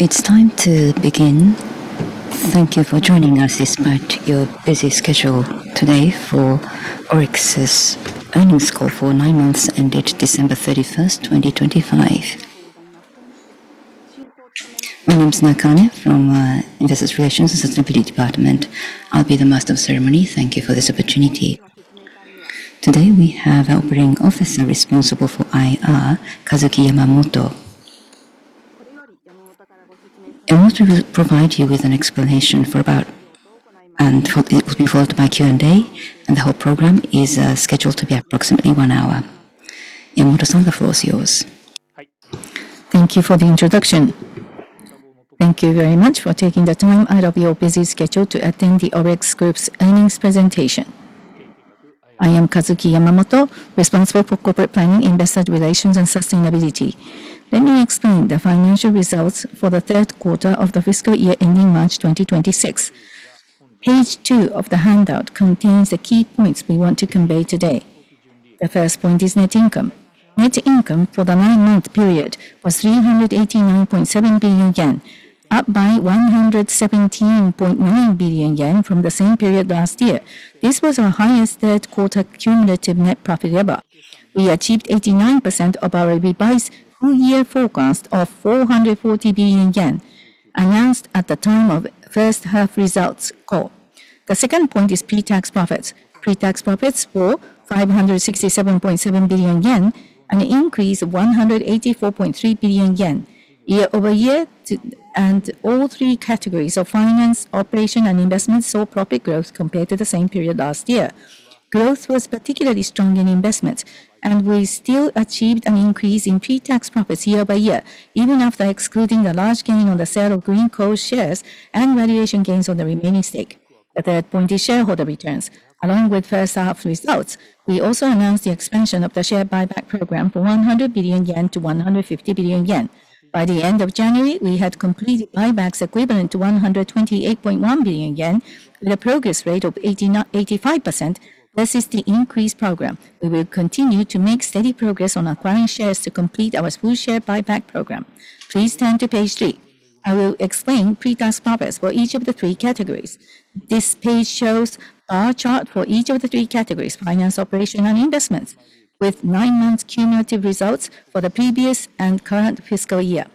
It's time to begin. Thank you for joining us despite your busy schedule today for ORIX's earnings call for nine months ended December 31st, 2025. My name's Nakane from Investor Relations and Sustainability Department. I'll be the master of ceremony. Thank you for this opportunity. Today we have our operating officer responsible for IR, Kazuki Yamamoto. Yamamoto will provide you with an explanation for about. It will be followed by Q&A, and the whole program is scheduled to be approximately one hour. Yamamoto, the floor's yours. Thank you for the introduction. Thank you very much for taking the time out of your busy schedule to attend the ORIX Group's earnings presentation. I am Kazuki Yamamoto, responsible for corporate planning, investor relations, and sustainability. Let me explain the financial results for the third quarter of the fiscal year ending March 2026. Page 2 of the handout contains the key points we want to convey today. The first point is net income. Net income for the 9-month period was 389.7 billion yen, up by 117.9 billion yen from the same period last year. This was our highest third-quarter cumulative net profit ever. We achieved 89% of our revised full-year forecast of 440 billion yen, announced at the time of the first half results call. The second point is pre-tax profits. Pre-tax profits were 567.7 billion yen, an increase of 184.3 billion yen year-over-year, and all three categories of finance, operation, and investments saw profit growth compared to the same period last year. Growth was particularly strong in investments, and we still achieved an increase in pre-tax profits year-over-year, even after excluding the large gain on the sale of Greenko shares and valuation gains on the remaining stake. The third point is shareholder returns. Along with first half results, we also announced the expansion of the share buyback program from 100 billion yen to 150 billion yen. By the end of January, we had completed buybacks equivalent to 128.1 billion yen, with a progress rate of 85% versus the increased program. We will continue to make steady progress on acquiring shares to complete our full-share buyback program. Please turn to page 3. I will explain pre-tax profits for each of the three categories. This page shows a bar chart for each of the three categories, finance, operation, and investments, with 9-month cumulative results for the previous and current fiscal year.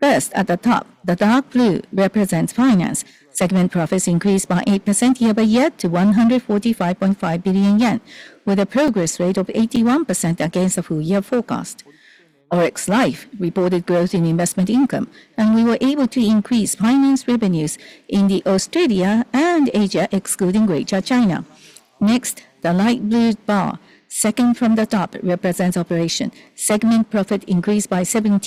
First, at the top, the dark blue represents finance, segment profits increased by 8% year-over-year to 145.5 billion yen, with a progress rate of 81% against the full-year forecast. ORIX Life reported growth in investment income, and we were able to increase finance revenues in Australia and Asia, excluding Greater China. Next, the light blue bar, second from the top, represents operation, segment profit increased by 17%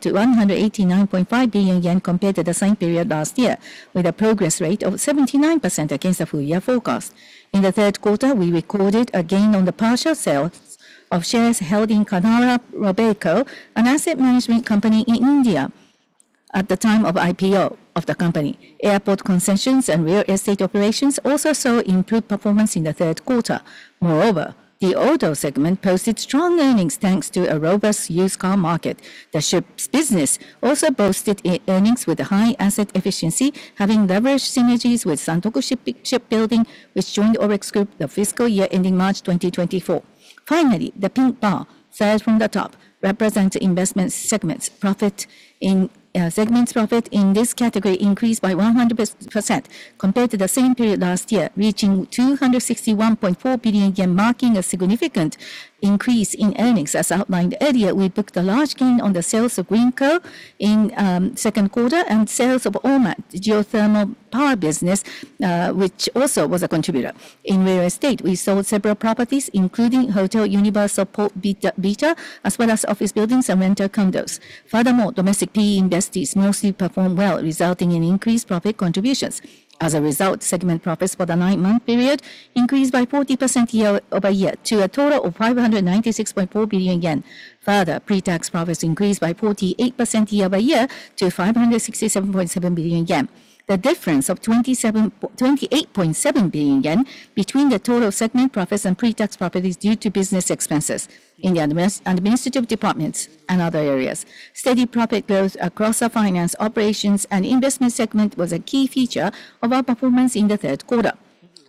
to 189.5 billion yen compared to the same period last year, with a progress rate of 79% against the full-year forecast. In the third quarter, we recorded a gain on the partial sales of shares held in Canara Robeco, an asset management company in India at the time of IPO of the company. Airport concessions and real estate operations also saw improved performance in the third quarter. Moreover, the auto segment posted strong earnings thanks to a robust used car market. The ships business also boasted earnings with high asset efficiency, having leveraged synergies with Santoku Shipbuilding, which joined ORIX Group the fiscal year ending March 2024. Finally, the pink bar, third from the top, represents investment segments profit in segments profit in this category increased by 100% compared to the same period last year, reaching 261.4 billion yen, marking a significant increase in earnings. As outlined earlier, we booked a large gain on the sales of Greenko in second quarter and sales of Ormat, geothermal power business, which also was a contributor. In real estate, we sold several properties, including Hotel Universal Port Vita, as well as office buildings and rental condos. Furthermore, domestic PE investees mostly performed well, resulting in increased profit contributions. As a result, segment profits for the 9-month period increased by 40% year-over-year to a total of 596.4 billion yen. Further, pre-tax profits increased by 48% year-over-year to 567.7 billion yen, the difference of 27.28 billion yen between the total segment profits and pre-tax profits due to business expenses in the administrative departments and other areas. Steady profit growth across our finance, operations, and investment segment was a key feature of our performance in the third quarter.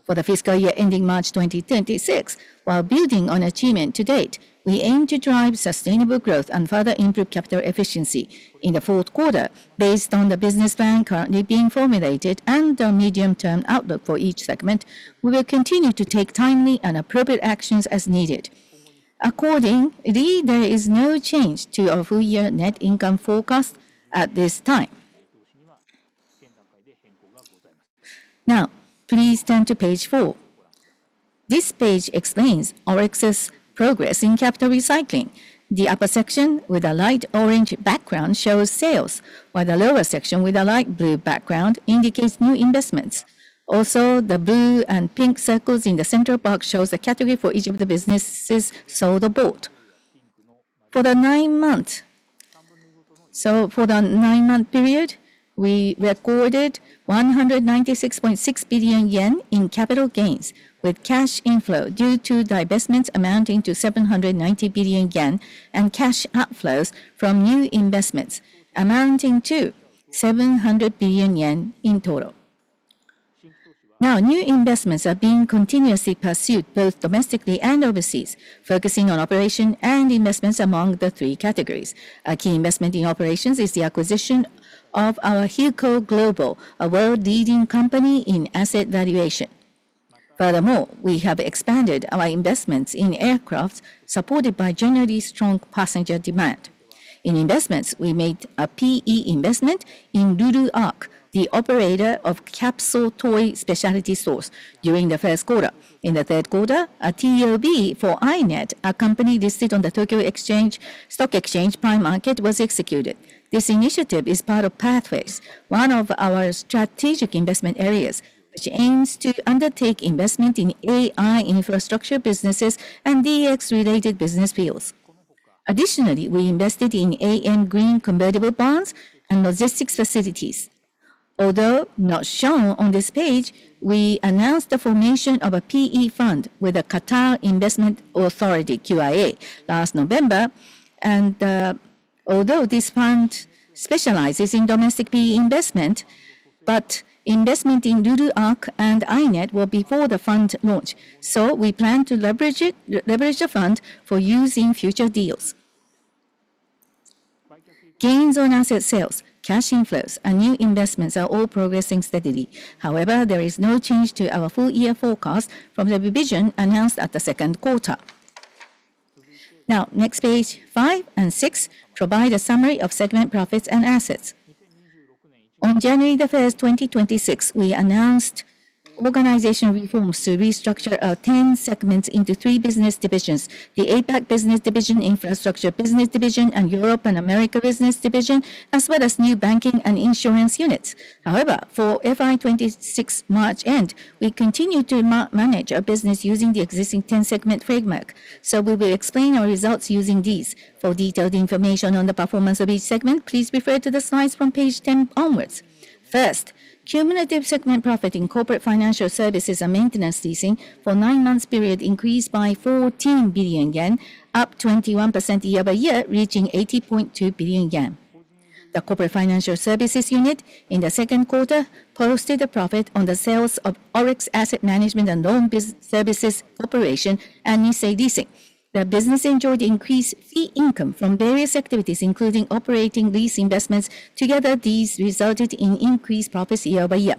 For the fiscal year ending March 2026, while building on achievements to date, we aim to drive sustainable growth and further improve capital efficiency. In the fourth quarter, based on the business plan currently being formulated and the medium-term outlook for each segment, we will continue to take timely and appropriate actions as needed. Accordingly, there is no change to our full-year net income forecast at this time. Now, please turn to page 4. This page explains ORIX's progress in capital recycling. The upper section with a light orange background shows sales, while the lower section with a light blue background indicates new investments. Also, the blue and pink circles in the center part show the category for each of the businesses sold or bought. For the 9-month period, we recorded 196.6 billion yen in capital gains with cash inflow due to divestments amounting to 790 billion yen and cash outflows from new investments, amounting to 700 billion yen in total. Now, new investments are being continuously pursued both domestically and overseas, focusing on operation and investments among the three categories. A key investment in operations is the acquisition of our Hilco Global, a world-leading company in asset valuation. Furthermore, we have expanded our investments in aircraft, supported by generally strong passenger demand. In investments, we made a PE investment in LuluArq, the operator of Capsule Toy Specialty Stores, during the first quarter. In the third quarter, a TOB for I-NET, a company listed on the Tokyo Stock Exchange Prime Market, was executed. This initiative is part of Pathways, one of our strategic investment areas, which aims to undertake investment in AI infrastructure businesses and DX-related business fields. Additionally, we invested in AM Green convertible bonds and logistics facilities. Although not shown on this page, we announced the formation of a PE fund with the Qatar Investment Authority last November. Although this fund specializes in domestic PE investment, but investment in LuluArq and I-NET will be before the fund launch, so we plan to leverage the fund for use in future deals. Gains on asset sales, cash inflows, and new investments are all progressing steadily. However, there is no change to our full-year forecast from the revision announced at the second quarter. Now, next page, 5 and 6, provide a summary of segment profits and assets. On January 1st, 2026, we announced organizational reforms to restructure our 10 segments into three business divisions: the APAC Business Division, Infrastructure Business Division, and Europe and America Business Division, as well as new banking and insurance units. However, for FY 2026 March end, we continue to manage our business using the existing 10-segment framework, so we will explain our results using these. For detailed information on the performance of each segment, please refer to the slides from page 10 onwards. First, cumulative segment profit in corporate financial services and maintenance leasing for a 9-month period increased by 14 billion yen, up 21% year-over-year, reaching 80.2 billion yen. The corporate financial services unit in the second quarter posted a profit on the sales of ORIX Asset Management and Loan Services Corporation and Nissay Leasing. The business enjoyed increased fee income from various activities, including operating lease investments. Together, these resulted in increased profits year-over-year.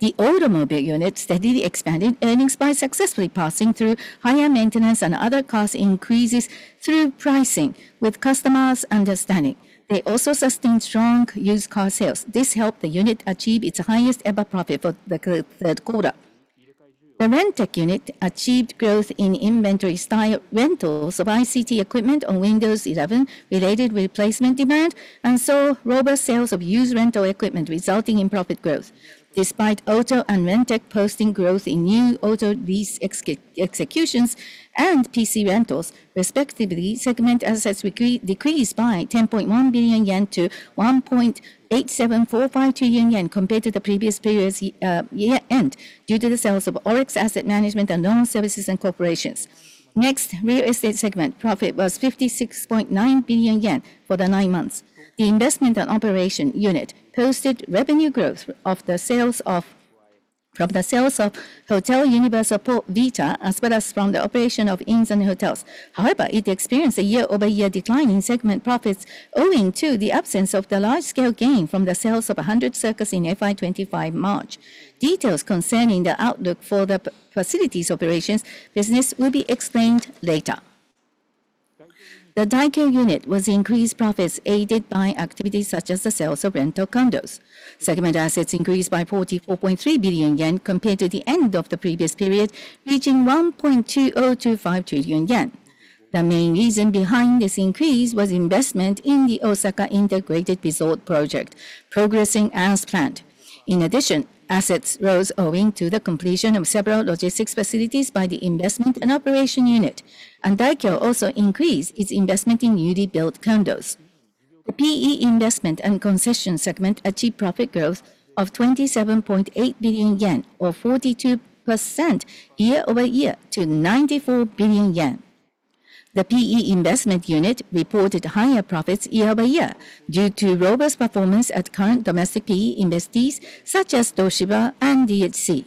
The automobile unit steadily expanded, earnings by successfully passing through higher maintenance and other cost increases through pricing, with customers understanding. They also sustained strong used car sales. This helped the unit achieve its highest-ever profit for the third quarter. The Rentec unit achieved growth in inventory-style rentals of ICT equipment on Windows 11 related with replacement demand and saw robust sales of used rental equipment, resulting in profit growth. Despite auto and Rentec posting growth in new auto lease executions and PC rentals, respectively, segment assets decreased by 10.1 billion yen to 1.8745 trillion yen compared to the previous period's year-end due to the sales of ORIX Asset Management and Loan Services Corporation. Next, real estate segment profit was 56.9 billion yen for the nine months. The investment and operation unit posted revenue growth from the sales of Hotel Universal Port Vita as well as from the operation of inns and hotels. However, it experienced a year-over-year decline in segment profits owing to the absence of the large-scale gain from the sales of Hundred Stay in FY 2025 March. Details concerning the outlook for the facilities operations business will be explained later. The Daikyo unit was increased profits aided by activities such as the sales of rental condos. Segment assets increased by 44.3 billion yen compared to the end of the previous period, reaching 1.2025 trillion yen. The main reason behind this increase was investment in the Osaka Integrated Resort project, progressing as planned. In addition, assets rose owing to the completion of several logistics facilities by the investment and operation unit, and Daikyo also increased its investment in newly built condos. The PE investment and concession segment achieved profit growth of 27.8 billion yen, or 42% year-over-year, to 94 billion yen. The PE investment unit reported higher profits year-over-year due to robust performance at current domestic PE investees such as Toshiba and DHC.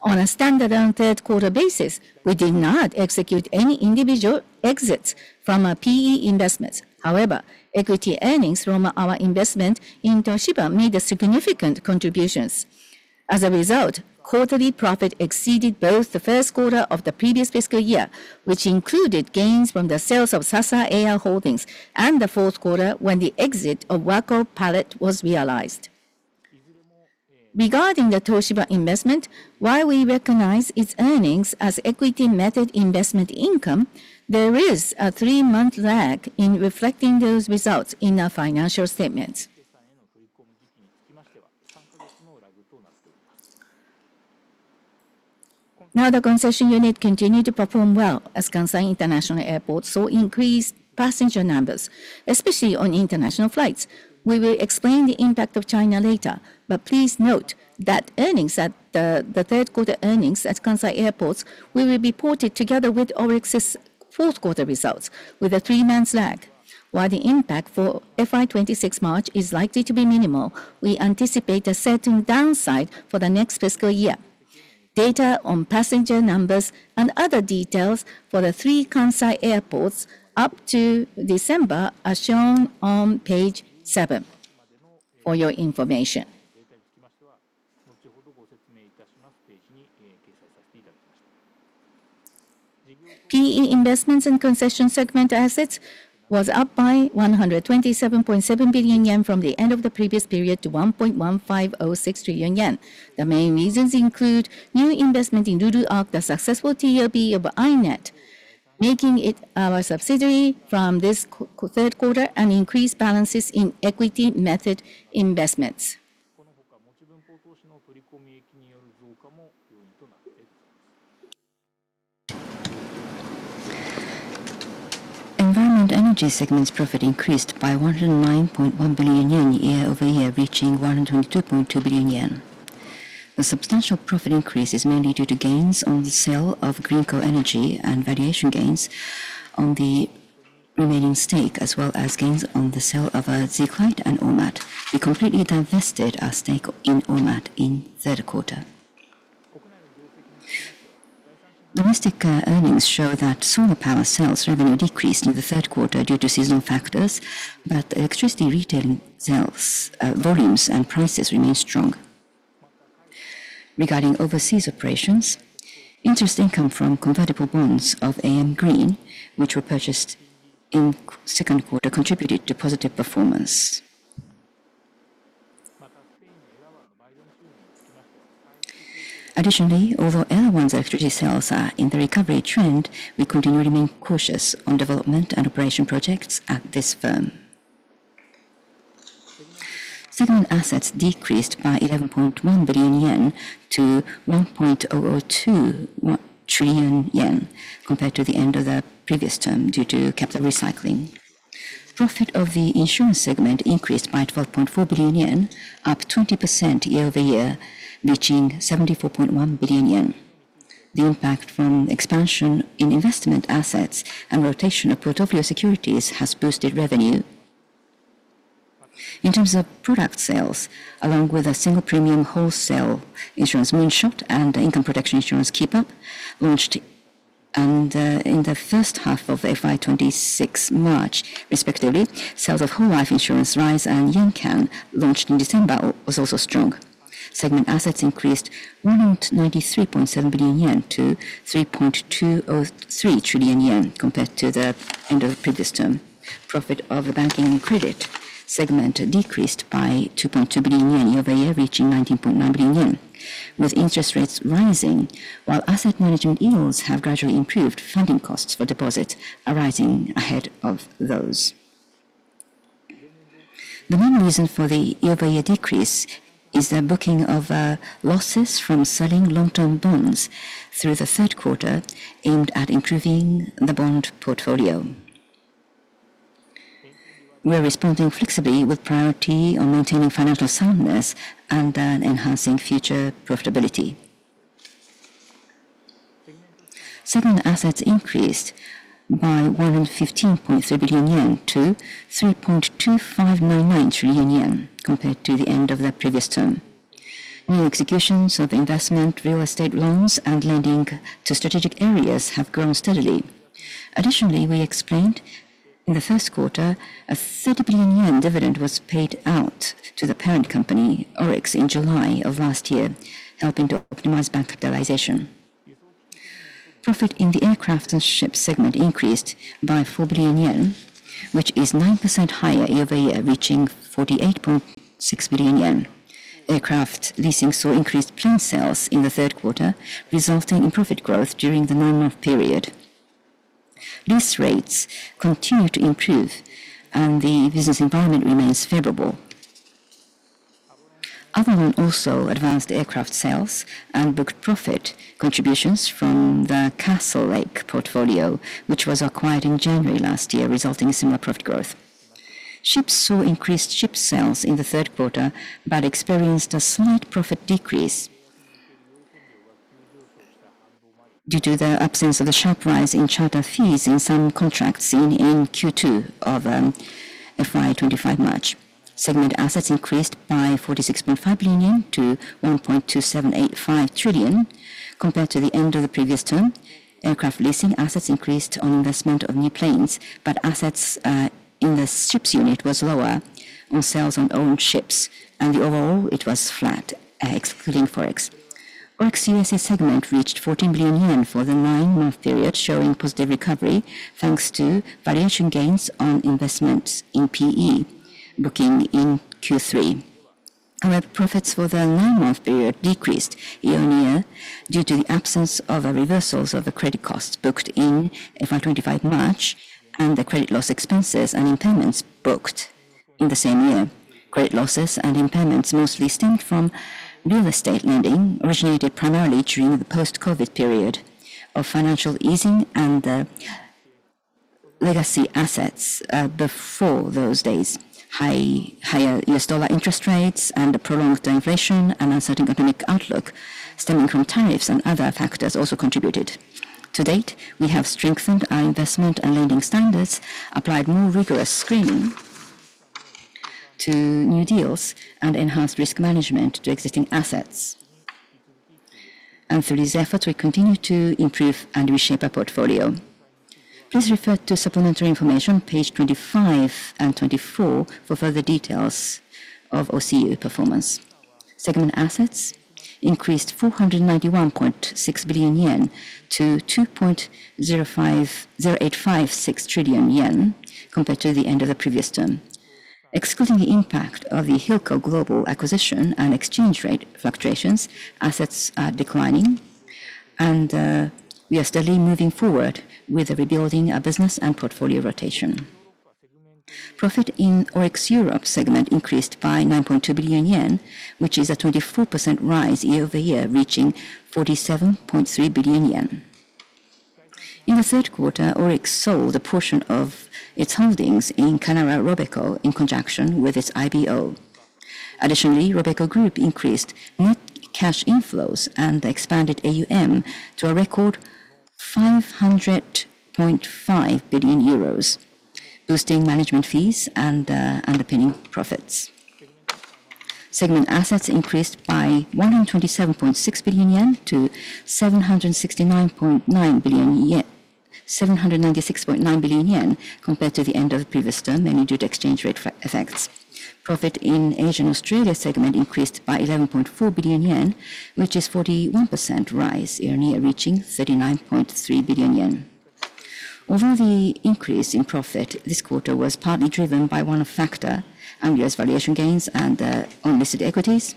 On a standardized third-quarter basis, we did not execute any individual exits from our PE investments. However, equity earnings from our investment in Toshiba made significant contributions. As a result, quarterly profit exceeded both the first quarter of the previous fiscal year, which included gains from the sales of Sata Construction, and the fourth quarter when the exit of Wako Pallet was realized. Regarding the Toshiba investment, while we recognize its earnings as equity-method investment income, there is a 3-month lag in reflecting those results in our financial statements. Now, the concession unit continued to perform well as Kansai International Airport saw increased passenger numbers, especially on international flights. We will explain the impact of China later, but please note that earnings at the third-quarter earnings at Kansai Airport will be reported together with ORIX's fourth-quarter results, with a 3-month lag. While the impact for FY 2026 March is likely to be minimal, we anticipate a certain downside for the next fiscal year. Data on passenger numbers and other details for the three Kansai Airports up to December are shown on page 7 for your information. PE investments and concession segment assets were up by 127.7 billion yen from the end of the previous period to 1.1506 trillion yen. The main reasons include new investment in LuluArq, the successful TOB of I-NET, making it our subsidiary from this third quarter, and increased balances in equity-method investments. Environment energy segment profit increased by 109.1 billion yen year-over-year, reaching 122.2 billion yen. The substantial profit increase is mainly due to gains on the sale of Greenko Energy Holdings and valuation gains on the remaining stake, as well as gains on the sale of Zeeklite and Ormat. We completely divested our stake in Ormat in third quarter. Domestic earnings show that solar power sales revenue decreased in the third quarter due to seasonal factors, but electricity retailing sales volumes and prices remained strong. Regarding overseas operations, interest income from convertible bonds of AM Green, which were purchased in second quarter, contributed to positive performance. Additionally, although Elawan's electricity sales are in the recovery trend, we continue to remain cautious on development and operation projects at this firm. Segment assets decreased by 11.1 billion yen to 1.002 trillion yen compared to the end of the previous term due to capital recycling. Profit of the insurance segment increased by 12.4 billion yen, up 20% year-over-year, reaching 74.1 billion yen. The impact from expansion in investment assets and rotation of portfolio securities has boosted revenue. In terms of product sales, along with a single premium wholesale insurance Moonshot and income protection insurance Keep, launched in the first half of FY 2026 March, respectively, sales of whole-life insurance RISE and YenCan, launched in December, were also strong. Segment assets increased 193.7 billion yen to 3.203 trillion yen compared to the end of the previous term. Profit of banking and credit segment decreased by 2.2 billion yen year-over-year, reaching 19.9 billion yen. With interest rates rising, while asset management yields have gradually improved, funding costs for deposits are rising ahead of those. The main reason for the year-over-year decrease is the booking of losses from selling long-term bonds through the third quarter, aimed at improving the bond portfolio. We are responding flexibly, with priority on maintaining financial soundness and enhancing future profitability. Segment assets increased by 115.3 billion yen to 3.2599 trillion yen compared to the end of the previous term. New executions of investment real estate loans and lending to strategic areas have grown steadily. Additionally, we explained in the first quarter, a 30 billion yen dividend was paid out to the parent company, ORIX, in July of last year, helping to optimize bank capitalization. Profit in the aircraft and ships segment increased by 4 billion yen, which is 9% higher year-over-year, reaching 48.6 billion yen. Aircraft leasing saw increased plane sales in the third quarter, resulting in profit growth during the 9-month period. Lease rates continue to improve, and the business environment remains favorable. Other than also advanced aircraft sales and booked profit contributions from the Castlelake portfolio, which was acquired in January last year, resulting in similar profit growth. Ships saw increased ship sales in the third quarter but experienced a slight profit decrease due to the absence of a sharp rise in charter fees in some contracts seen in Q2 of FY 2025 March. Segment assets increased by 46.5 billion yen to 1.2785 trillion compared to the end of the previous term. Aircraft leasing assets increased on investment of new planes, but assets in the ships unit were lower on sales on owned ships, and overall, it was flat, excluding ORIX. ORIX USA segment reached 14 billion yen for the 9-month period, showing positive recovery thanks to valuation gains on investment in PE booking in Q3. However, profits for the 9-month period decreased year-on-year due to the absence of reversals of the credit costs booked in FY 2025 March and the credit loss expenses and impairments booked in the same year. Credit losses and impairments mostly stemmed from real estate lending, originated primarily during the post-COVID period of financial easing and the legacy assets before those days. Higher US dollar interest rates and prolonged inflation and uncertain economic outlook stemming from tariffs and other factors also contributed. To date, we have strengthened our investment and lending standards, applied more rigorous screening to new deals, and enhanced risk management to existing assets. Through these efforts, we continue to improve and reshape our portfolio. Please refer to supplementary information, page 25 and 24, for further details of OCU performance. Segment assets increased 491.6 billion yen to 2.0856 trillion yen compared to the end of the previous term. Excluding the impact of the Hilco Global acquisition and exchange rate fluctuations, assets are declining, and we are steadily moving forward with rebuilding our business and portfolio rotation. Profit in ORIX Europe segment increased by 9.2 billion yen, which is a 24% rise year-over-year, reaching 47.3 billion yen. In the third quarter, ORIX sold a portion of its holdings in Canara Robeco in conjunction with its IPO. Additionally, Robeco Group increased net cash inflows and expanded AUM to a record 500.5 billion euros, boosting management fees and the pending profits. Segment assets increased by 127.6 billion yen to 796.9 billion yen compared to the end of the previous term, mainly due to exchange rate effects. Profit in Asia and Australia segment increased by 11.4 billion yen, which is a 41% rise year-on-year, reaching 39.3 billion yen. Although the increase in profit this quarter was partly driven by one-off factor and U.S. valuation gains and the owned-listed equities,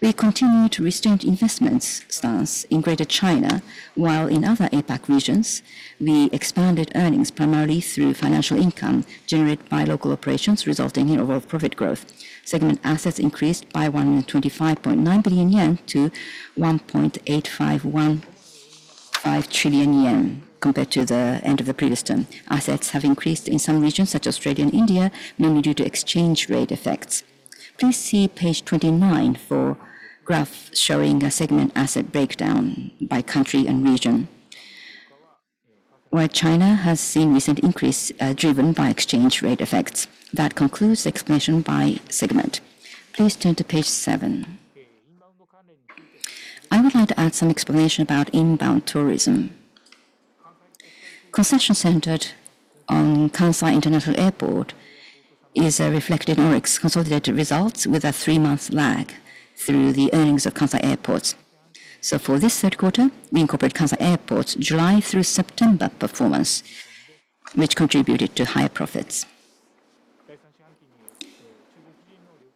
we continue to restrain investment stance in Greater China, while in other APAC regions, we expanded earnings primarily through financial income generated by local operations, resulting in overall profit growth. Segment assets increased by 125.9 billion yen to 1.8515 trillion yen compared to the end of the previous term. Assets have increased in some regions, such as Australia and India, mainly due to exchange rate effects. Please see page 29 for a graph showing a segment asset breakdown by country and region. While China has seen recent increase driven by exchange rate effects, that concludes the explanation by segment. Please turn to page 7. I would like to add some explanation about inbound tourism. Concession-centered on Kansai International Airport is reflected in ORIX consolidated results with a 3-month lag through the earnings of Kansai Airports. For this third quarter, we incorporated Kansai Airport's July through September performance, which contributed to higher profits.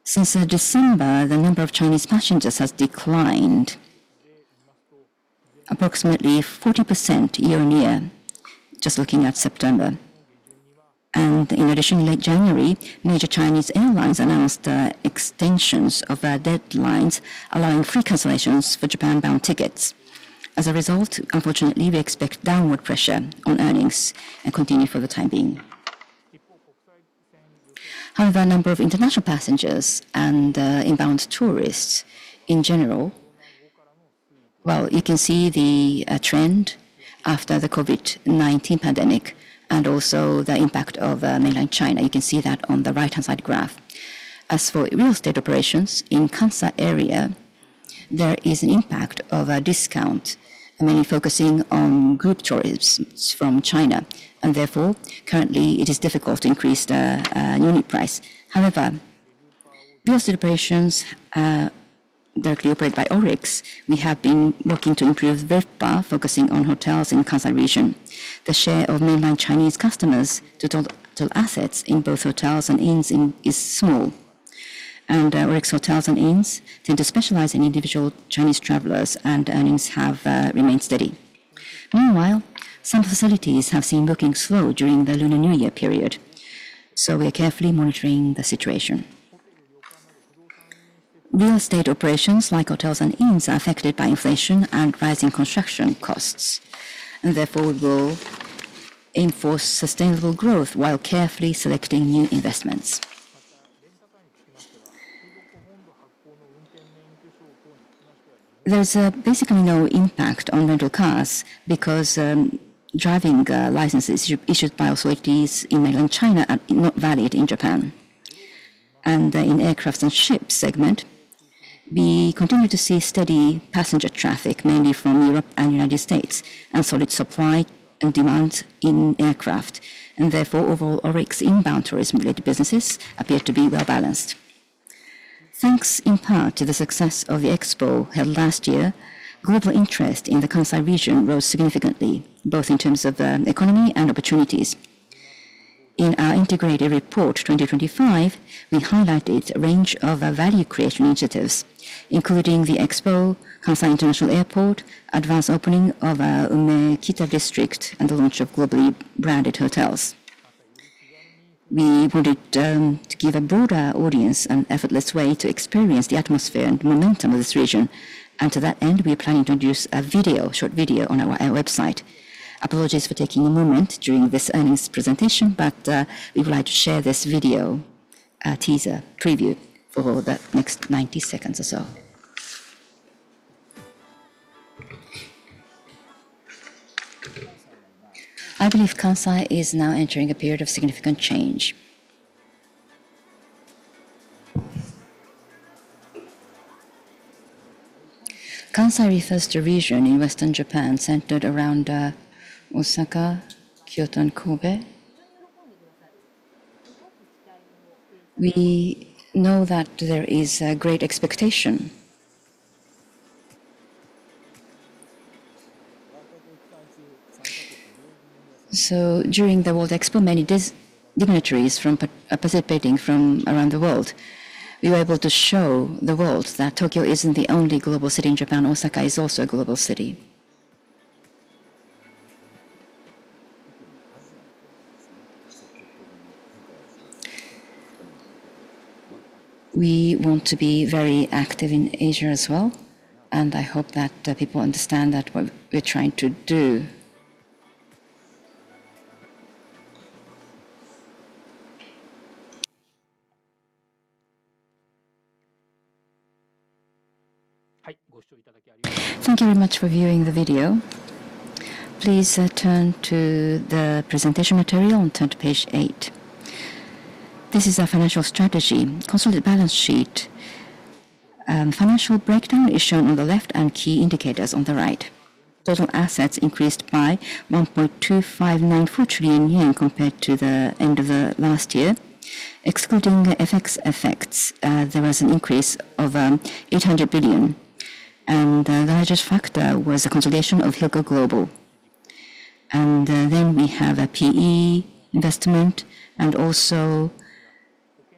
Since December, the number of Chinese passengers has declined approximately 40% year-on-year, just looking at September. In addition, in late January, major Chinese airlines announced extensions of their deadlines, allowing free cancellations for Japan-bound tickets. As a result, unfortunately, we expect downward pressure on earnings and continue for the time being. However, the number of international passengers and inbound tourists in general, well, you can see the trend after the COVID-19 pandemic and also the impact of mainland China. You can see that on the right-hand side graph. As for real estate operations in the Kansai area, there is an impact of a discount, mainly focusing on group tourists from China. Therefore, currently, it is difficult to increase the unit price. However, real estate operations directly operated by ORIX, we have been working to improve. Spa focusing on hotels in the Kansai region. The share of mainland Chinese customers total assets in both hotels and inns is small. ORIX hotels and inns tend to specialize in individual Chinese travelers, and earnings have remained steady. Meanwhile, some facilities have seen booking slow during the Lunar New Year period, so we are carefully monitoring the situation. Real estate operations, like hotels and inns, are affected by inflation and rising construction costs. Therefore, we will enforce sustainable growth while carefully selecting new investments. There is basically no impact on rental cars because driving licenses issued by authorities in mainland China are not valid in Japan. In the aircraft and ships segment, we continue to see steady passenger traffic, mainly from Europe and the United States, and solid supply and demand in aircraft. Therefore, overall, ORIX inbound tourism-related businesses appear to be well-balanced. Thanks in part to the success of the expo held last year, global interest in the Kansai region rose significantly, both in terms of economy and opportunities. In our Integrated Report 2025, we highlighted a range of value creation initiatives, including the expo, Kansai International Airport, advanced opening of Umekita district, and the launch of globally branded hotels. We wanted to give a broader audience an effortless way to experience the atmosphere and momentum of this region. To that end, we are planning to introduce a short video on our website. Apologies for taking a moment during this earnings presentation, but we would like to share this video teaser preview for the next 90 seconds or so. I believe Kansai is now entering a period of significant change. Kansai refers to a region in Western Japan centered around Osaka, Kyoto, and Kobe. We know that there is great expectation. So, during the World Expo, many dignitaries participating from around the world, we were able to show the world that Tokyo is not the only global city in Japan. Osaka is also a global city. We want to be very active in Asia as well, and I hope that people understand what we are trying to do. Thank you very much for viewing the video. Please turn to the presentation material and turn to page 8. This is a financial strategy consolidated balance sheet. The financial breakdown is shown on the left and key indicators on the right. Total assets increased by 1.2594 trillion yen compared to the end of last year. Excluding FX effects, there was an increase of 800 billion. The largest factor was the consolidation of Hilco Global. Then we have PE investment and also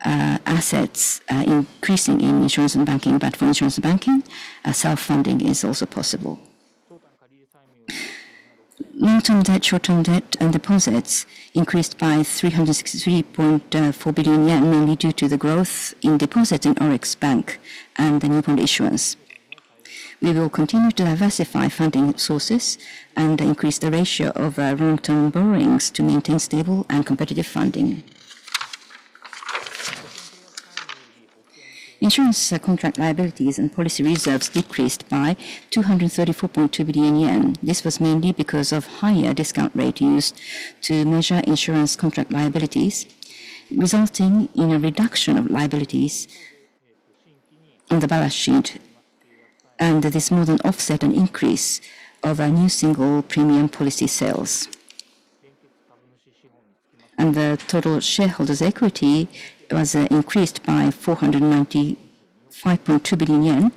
assets increasing in insurance and banking, but for insurance and banking, self-funding is also possible. Long-term debt, short-term debt, and deposits increased by 363.4 billion yen, mainly due to the growth in deposits in ORIX Bank and the new bond issuance. We will continue to diversify funding sources and increase the ratio of long-term borrowings to maintain stable and competitive funding. Insurance contract liabilities and policy reserves decreased by 234.2 billion yen. This was mainly because of a higher discount rate used to measure insurance contract liabilities, resulting in a reduction of liabilities on the balance sheet and this more than offset an increase of new single premium policy sales. The total shareholders' equity was increased by 495.2 billion yen,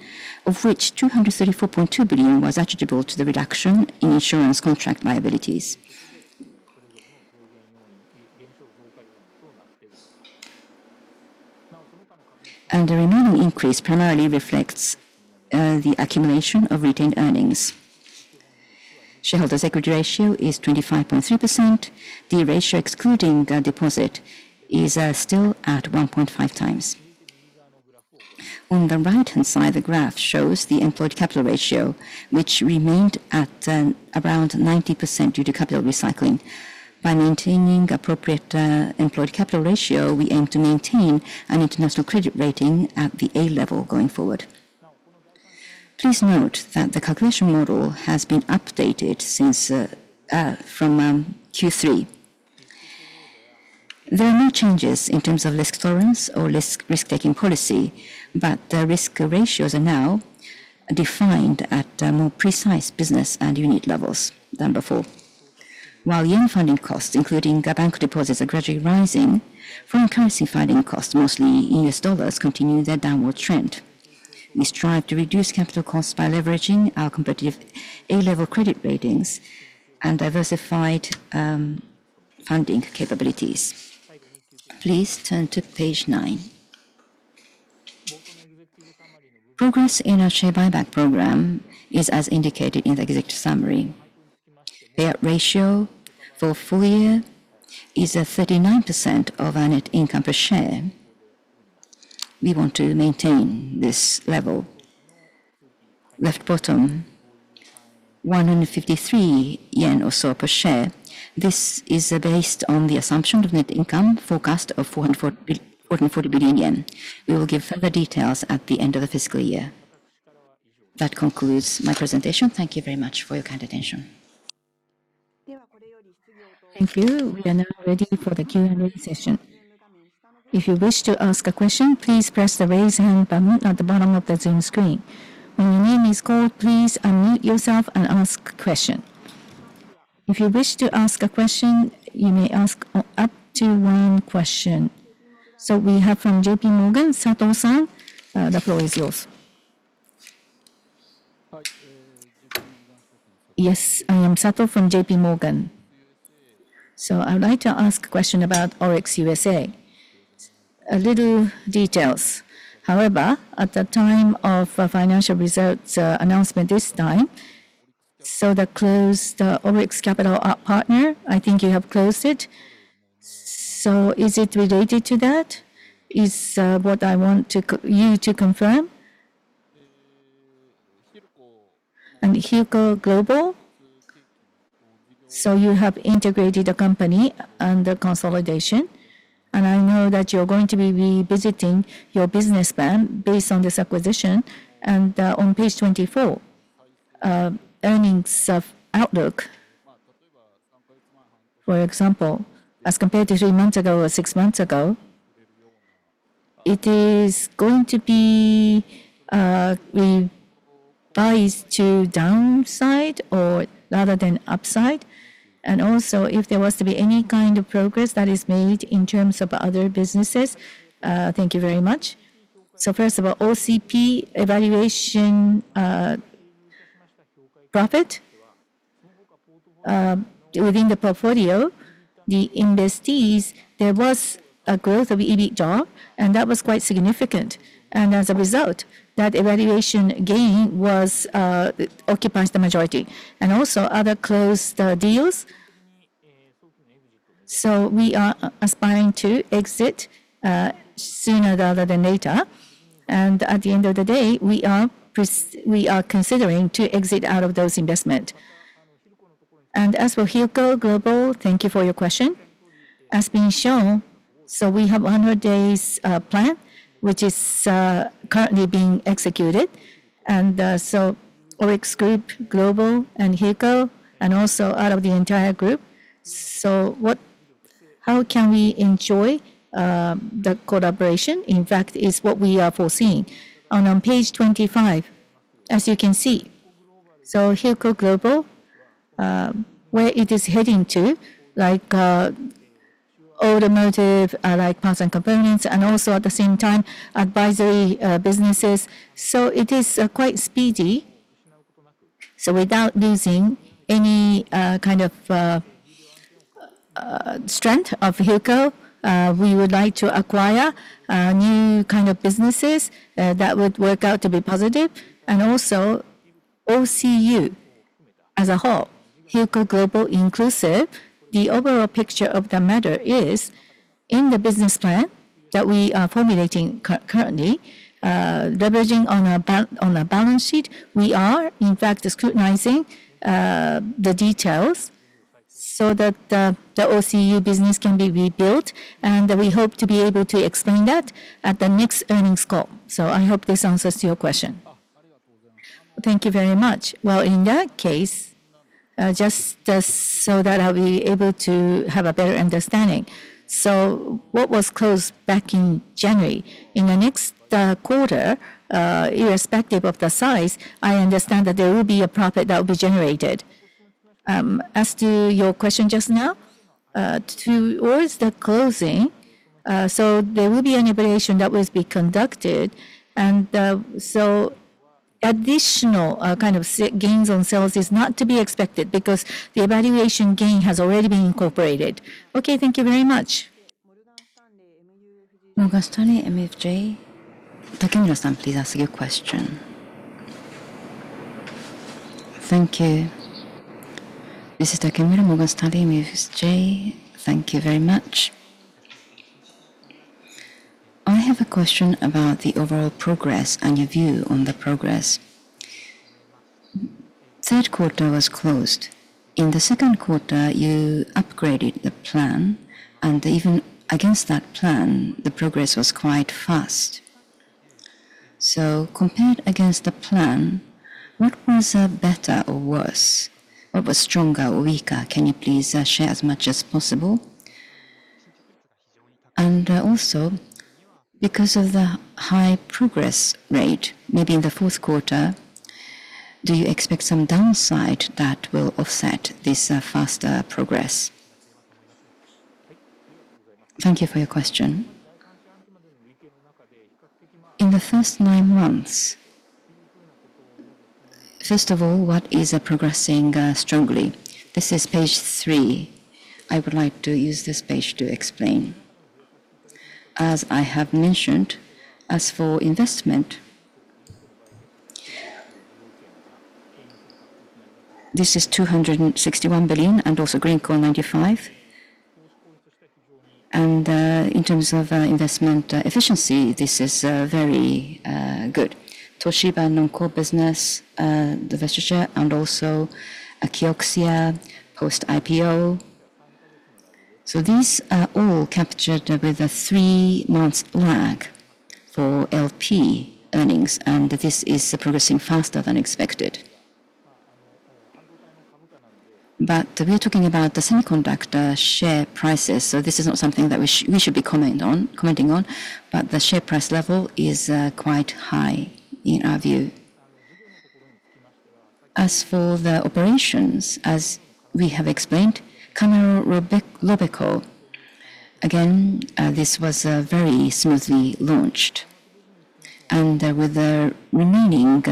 of which 234.2 billion was attributable to the reduction in insurance contract liabilities. The remaining increase primarily reflects the accumulation of retained earnings. Shareholders' equity ratio is 25.3%. The ratio excluding deposit is still at 1.5 times. On the right-hand side, the graph shows the employed capital ratio, which remained at around 90% due to capital recycling. By maintaining appropriate employed capital ratio, we aim to maintain an international credit rating at the A level going forward. Please note that the calculation model has been updated from Q3. There are no changes in terms of risk tolerance or risk-taking policy, but the risk ratios are now defined at more precise business and unit levels than before. While yen funding costs, including bank deposits, are gradually rising, foreign currency funding costs, mostly in US dollars, continue their downward trend. We strive to reduce capital costs by leveraging our competitive A level credit ratings and diversified funding capabilities. Please turn to page 9. Progress in our share buyback program is as indicated in the executive summary. Payout ratio for full year is 39% of our net income per share. We want to maintain this level. Left bottom, 153 yen or so per share. This is based on the assumption of net income forecast of 440 billion yen. We will give further details at the end of the fiscal year. That concludes my presentation. Thank you very much for your kind attention. Thank you. We are now ready for the Q&A session. If you wish to ask a question, please press the raise hand button at the bottom of the Zoom screen. When your name is called, please unmute yourself and ask a question. If you wish to ask a question, you may ask up to one question. So, we have from JPMorgan, Sato-san. The floor is yours. Yes, I am Sato from JP Morgan. So, I would like to ask a question about ORIX USA. A little details. However, at the time of financial results announcement this time, sold ORIX Capital Partners. I think you have closed it. So, is it related to that? Is what I want you to confirm? And Hilco Global? So, you have integrated the company under consolidation. I know that you are going to be revisiting your business plan based on this acquisition. On page 24, earnings outlook, for example, as compared to three months ago or six months ago, it is going to be biased to downside rather than upside. Also, if there was to be any kind of progress that is made in terms of other businesses, thank you very much. So, first of all, OCP valuation profit within the portfolio, the investees, there was a growth of EBITDA, and that was quite significant. As a result, that valuation gain occupies the majority. Also, other closed deals. So, we are aspiring to exit sooner rather than later. At the end of the day, we are considering to exit out of those investments. As for Hilco Global, thank you for your question. As has been shown, we have a 100-day plan, which is currently being executed. ORIX Group Global and Hilco, and also out of the entire group. So, how can we enjoy the collaboration? In fact, it is what we are foreseeing. And on page 25, as you can see, Hilco Global, where it is heading to, like automotive, like parts and components, and also at the same time, advisory businesses. So, it is quite speedy. So, without losing any kind of strength of Hilco, we would like to acquire new kind of businesses that would work out to be positive. And also, OCU as a whole, Hilco Global inclusive, the overall picture of the matter is in the business plan that we are formulating currently, leveraging on a balance sheet, we are, in fact, scrutinizing the details so that the OCU business can be rebuilt. And we hope to be able to explain that at the next earnings call. So, I hope this answers your question. Thank you very much. Well, in that case, just so that I'll be able to have a better understanding. So, what was closed back in January, in the next quarter, irrespective of the size, I understand that there will be a profit that will be generated. As to your question just now, towards the closing, so there will be an evaluation that will be conducted. And so, additional kind of gains on sales is not to be expected because the evaluation gain has already been incorporated. Okay, thank you very much. Takemura-san, please ask your question. Thank you. This is Takemura, Morgan Stanley MUFG Securities. Thank you very much. I have a question about the overall progress and your view on the progress. Third quarter was closed. In the second quarter, you upgraded the plan, and even against that plan, the progress was quite fast. So, compared against the plan, what was better or worse? What was stronger or weaker? Can you please share as much as possible? And also, because of the high progress rate, maybe in the fourth quarter, do you expect some downside that will offset this faster progress? Thank you for your question. In the first nine months, first of all, what is progressing strongly? This is page 3. I would like to use this page to explain. As I have mentioned, as for investment, this is 261 billion and also Greenko 95 billion. And in terms of investment efficiency, this is very good. Toshiba non-core business, the divestiture, and also Kioxia post-IPO. So, these are all captured with a three-month lag for LP earnings, and this is progressing faster than expected. But we are talking about the semiconductor share prices. So, this is not something that we should be commenting on, but the share price level is quite high in our view. As for the operations, as we have explained, Canara Robeco, again, this was very smoothly launched. And with the remaining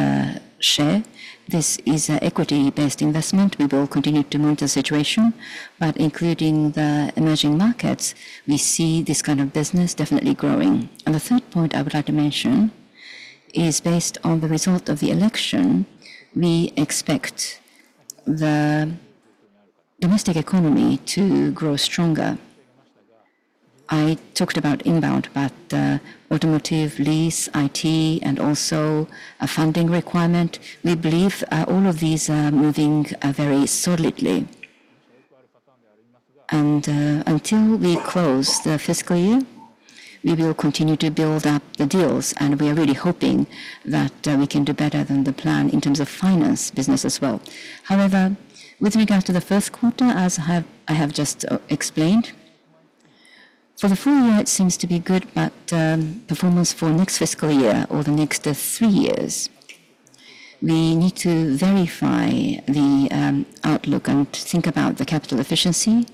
share, this is equity-based investment. We will continue to monitor the situation, but including the emerging markets, we see this kind of business definitely growing. And the third point I would like to mention is based on the result of the election, we expect the domestic economy to grow stronger. I talked about inbound, but automotive, lease, IT, and also funding requirement, we believe all of these are moving very solidly. And until we close the fiscal year, we will continue to build up the deals, and we are really hoping that we can do better than the plan in terms of finance business as well. However, with regard to the first quarter, as I have just explained, for the full year, it seems to be good, but performance for next fiscal year or the next three years, we need to verify the outlook and think about the capital efficiency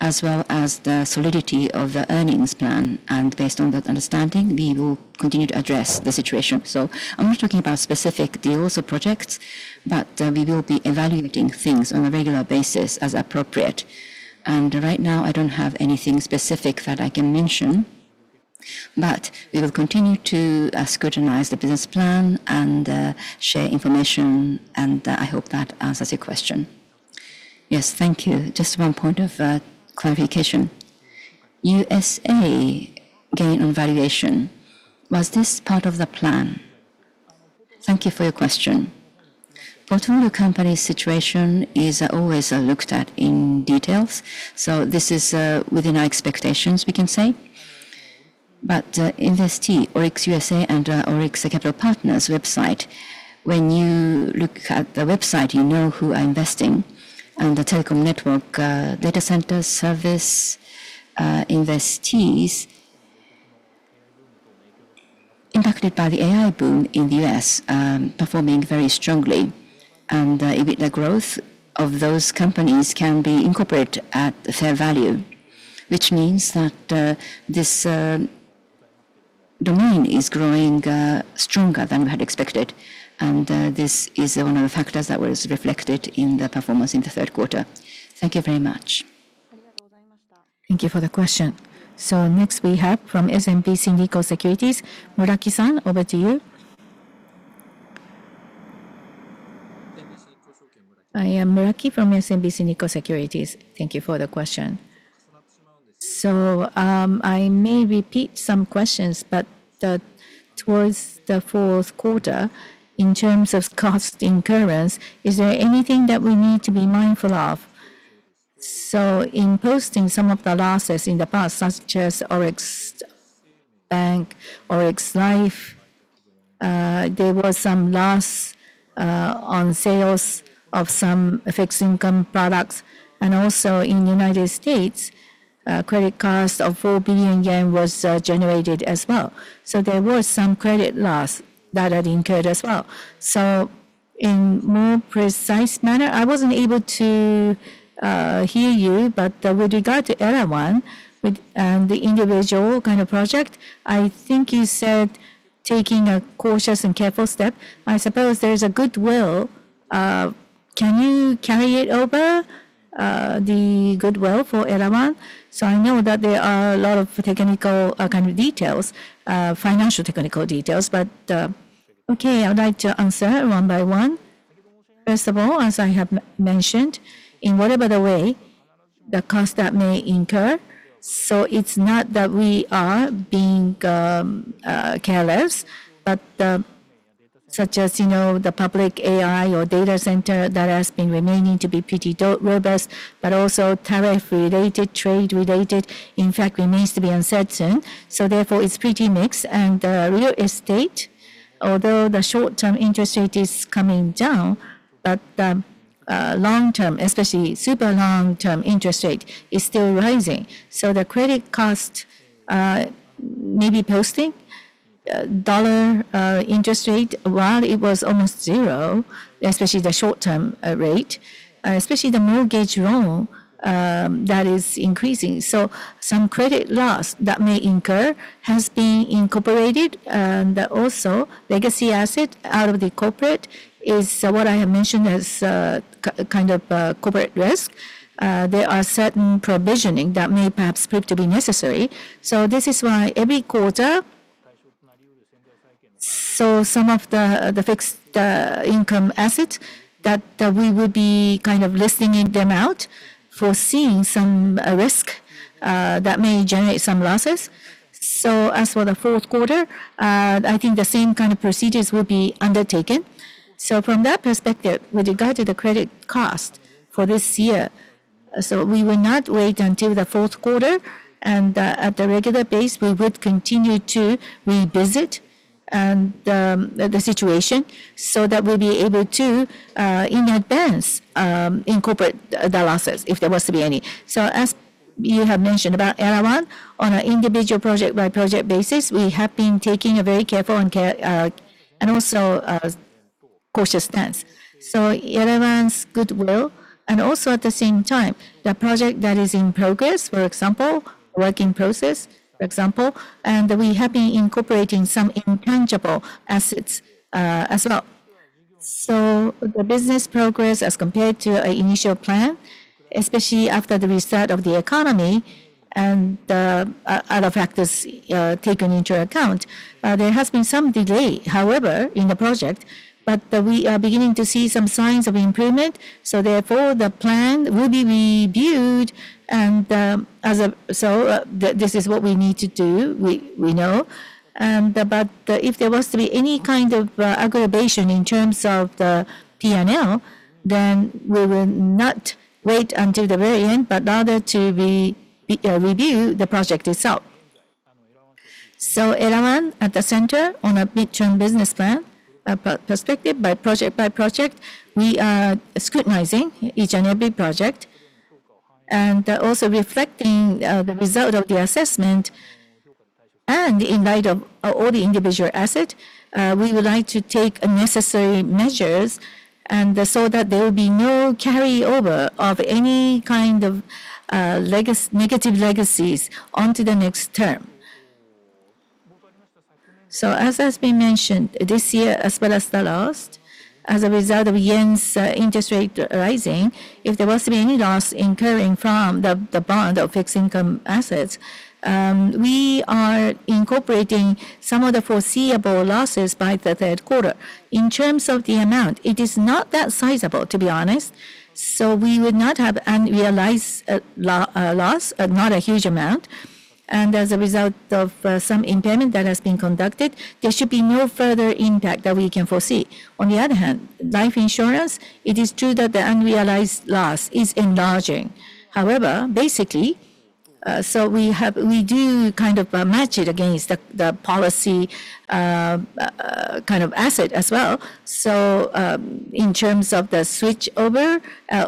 as well as the solidity of the earnings plan. And based on that understanding, we will continue to address the situation. So, I'm not talking about specific deals or projects, but we will be evaluating things on a regular basis as appropriate. Right now, I don't have anything specific that I can mention, but we will continue to scrutinize the business plan and share information, and I hope that answers your question. Yes, thank you. Just one point of clarification. U.S. gain on valuation, was this part of the plan? Thank you for your question. Portfolio company situation is always looked at in details. So, this is within our expectations, we can say. But investee, ORIX USA and ORIX Capital Partners' website, when you look at the website, you know who are investing. And the telecom network, data center, service, investees, impacted by the AI boom in the U.S., performing very strongly. And the growth of those companies can be incorporated at fair value, which means that this domain is growing stronger than we had expected. This is one of the factors that was reflected in the performance in the third quarter. Thank you very much. Thank you for the question. So, next we have from SMBC Nikko Securities. Muraki-san, over to you. I am Muraki from SMBC Nikko Securities. Thank you for the question. So, I may repeat some questions, but towards the fourth quarter, in terms of cost incurrence, is there anything that we need to be mindful of? So, in posting some of the losses in the past, such as ORIX Bank, ORIX Life, there was some loss on sales of some fixed income products. And also in the United States, credit cost of 4 billion yen was generated as well. So, there was some credit loss that had incurred as well. So, in more precise manner, I wasn't able to hear you, but with regard to Elawan and the individual kind of project, I think you said taking a cautious and careful step. I suppose there is a goodwill. Can you carry it over, the goodwill for Elawan? So, I know that there are a lot of technical kind of details, financial technical details, but okay, I would like to answer one by one. First of all, as I have mentioned, in whatever the way, the cost that may incur. So, it's not that we are being careless, but such as the public AI or data center that has been remaining to be pretty robust, but also tariff-related, trade-related, in fact, remains to be uncertain. So, therefore, it's pretty mixed. Real estate, although the short-term interest rate is coming down, but the long-term, especially super long-term interest rate, is still rising. So, the credit cost may be posting. Dollar interest rate, while it was almost zero, especially the short-term rate, especially the mortgage loan that is increasing. So, some credit loss that may incur has been incorporated. And also, legacy asset out of the corporate is what I have mentioned as kind of corporate risk. There are certain provisioning that may perhaps prove to be necessary. So, this is why every quarter, so some of the fixed income asset that we would be kind of listing them out for seeing some risk that may generate some losses. So, as for the fourth quarter, I think the same kind of procedures will be undertaken. So, from that perspective, with regard to the credit cost for this year, so we will not wait until the fourth quarter. At the regular basis, we would continue to revisit the situation so that we'll be able to, in advance, incorporate the losses if there was to be any. As you have mentioned about Elawan, on an individual project-by-project basis, we have been taking a very careful and also cautious stance. Elawan's goodwill and also at the same time, the project that is in progress, for example, work in process, for example, and we have been incorporating some intangible assets as well. The business progress as compared to an initial plan, especially after the restart of the economy and other factors taken into account, there has been some delay, however, in the project. But we are beginning to see some signs of improvement. So, therefore, the plan will be reviewed. And so, this is what we need to do, we know. But if there was to be any kind of aggravation in terms of the P&L, then we will not wait until the very end, but rather to review the project itself. So, Elawan at the center on a mid-term business plan perspective by project-by-project, we are scrutinizing each and every project and also reflecting the result of the assessment. And in light of all the individual assets, we would like to take necessary measures so that there will be no carryover of any kind of negative legacies onto the next term. So, as has been mentioned, this year, as well as the last, as a result of yen's interest rate rising, if there was to be any loss incurring from the bond or fixed income assets, we are incorporating some of the foreseeable losses by the third quarter. In terms of the amount, it is not that sizable, to be honest. So, we would not have unrealized loss, not a huge amount. And as a result of some impairment that has been conducted, there should be no further impact that we can foresee. On the other hand, life insurance, it is true that the unrealized loss is enlarging. However, basically, so we do kind of match it against the policy kind of asset as well. So, in terms of the switchover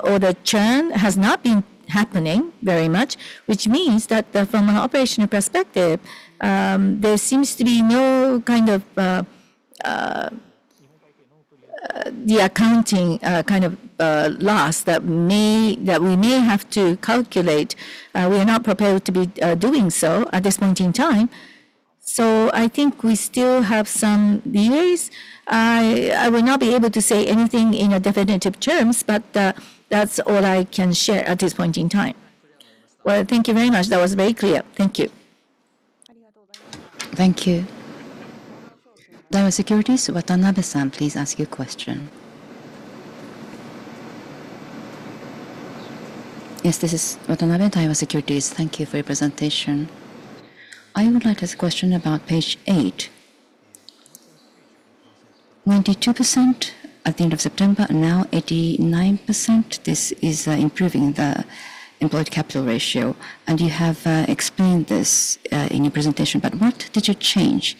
or the churn, has not been happening very much, which means that from an operational perspective, there seems to be no kind of the accounting kind of loss that we may have to calculate. We are not prepared to be doing so at this point in time. So, I think we still have some delays. I will not be able to say anything in definitive terms, but that's all I can share at this point in time. Well, thank you very much. That was very clear. Thank you. Thank you. Daiwa Securities, Watanabe-san, please ask your question. Yes, this is Watanabe, Daiwa Securities. Thank you for your presentation. I would like to ask a question about page 8. 92% at the end of September and now 89%. This is improving the employed capital ratio. And you have explained this in your presentation, but what did you change?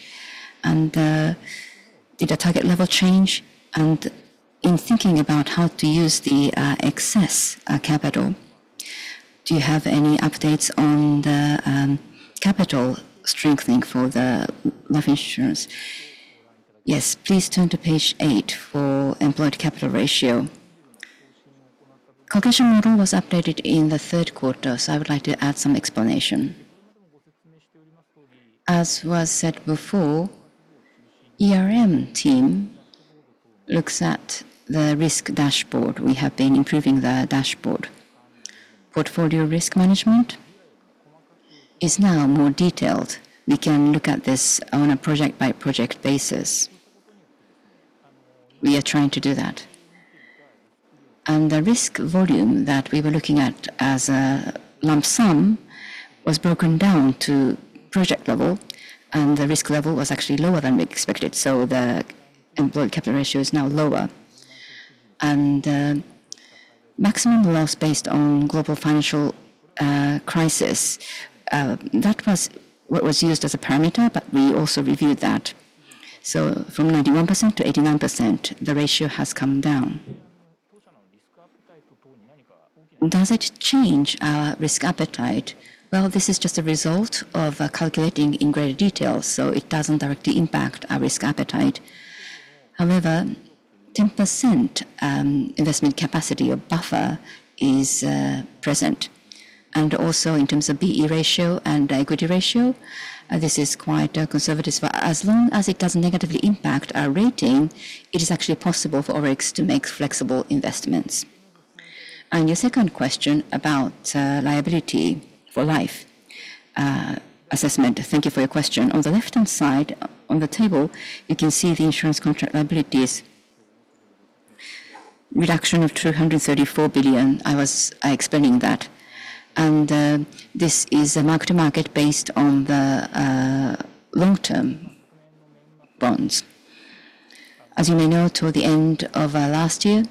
And did the target level change? And in thinking about how to use the excess capital, do you have any updates on the capital strengthening for the life insurance? Yes, please turn to page 8 for employed capital ratio. Calculation model was updated in the third quarter, so I would like to add some explanation. As was said before, team looks at the risk dashboard. We have been improving the dashboard. Portfolio risk management is now more detailed. We can look at this on a project-by-project basis. We are trying to do that. And the risk volume that we were looking at as a lump sum was broken down to project level, and the risk level was actually lower than we expected. So, the employed capital ratio is now lower. Maximum loss based on global financial crisis, that was what was used as a parameter, but we also reviewed that. So, from 91%-89%, the ratio has come down. Does it change our risk appetite? Well, this is just a result of calculating in greater details, so it doesn't directly impact our risk appetite. However, 10% investment capacity or buffer is present. And also in terms of BE ratio and equity ratio, this is quite conservative for us. As long as it doesn't negatively impact our rating, it is actually possible for ORIX to make flexible investments. And your second question about liability for life assessment, thank you for your question. On the left-hand side on the table, you can see the insurance contract liabilities reduction of 234 billion. I was explaining that. And this is a mark-to-market based on the long-term bonds. As you may know, toward the end of last year,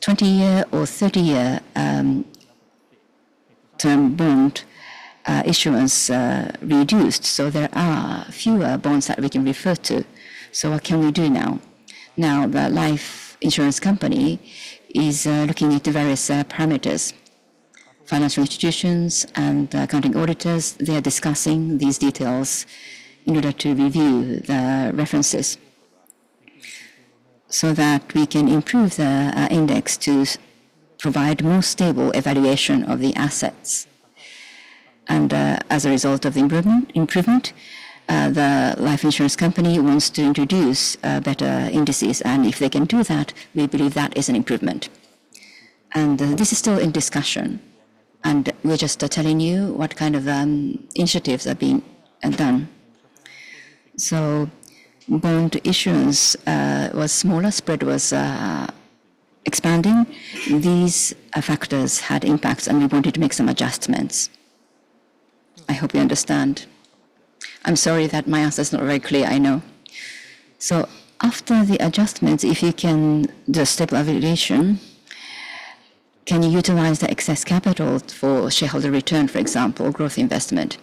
20-year or 30-year term bond issuance reduced. There are fewer bonds that we can refer to. What can we do now? Now, the life insurance company is looking at the various parameters. Financial institutions and accounting auditors, they are discussing these details in order to review the references so that we can improve the index to provide more stable evaluation of the assets. As a result of the improvement, the life insurance company wants to introduce better indices. If they can do that, we believe that is an improvement. This is still in discussion. We're just telling you what kind of initiatives are being done. Bond issuance was smaller, spread was expanding. These factors had impacts, and we wanted to make some adjustments. I hope you understand. I'm sorry that my answer is not very clear, I know. So, after the adjustments, if you can do a stable valuation, can you utilize the excess capital for shareholder return, for example, growth investment?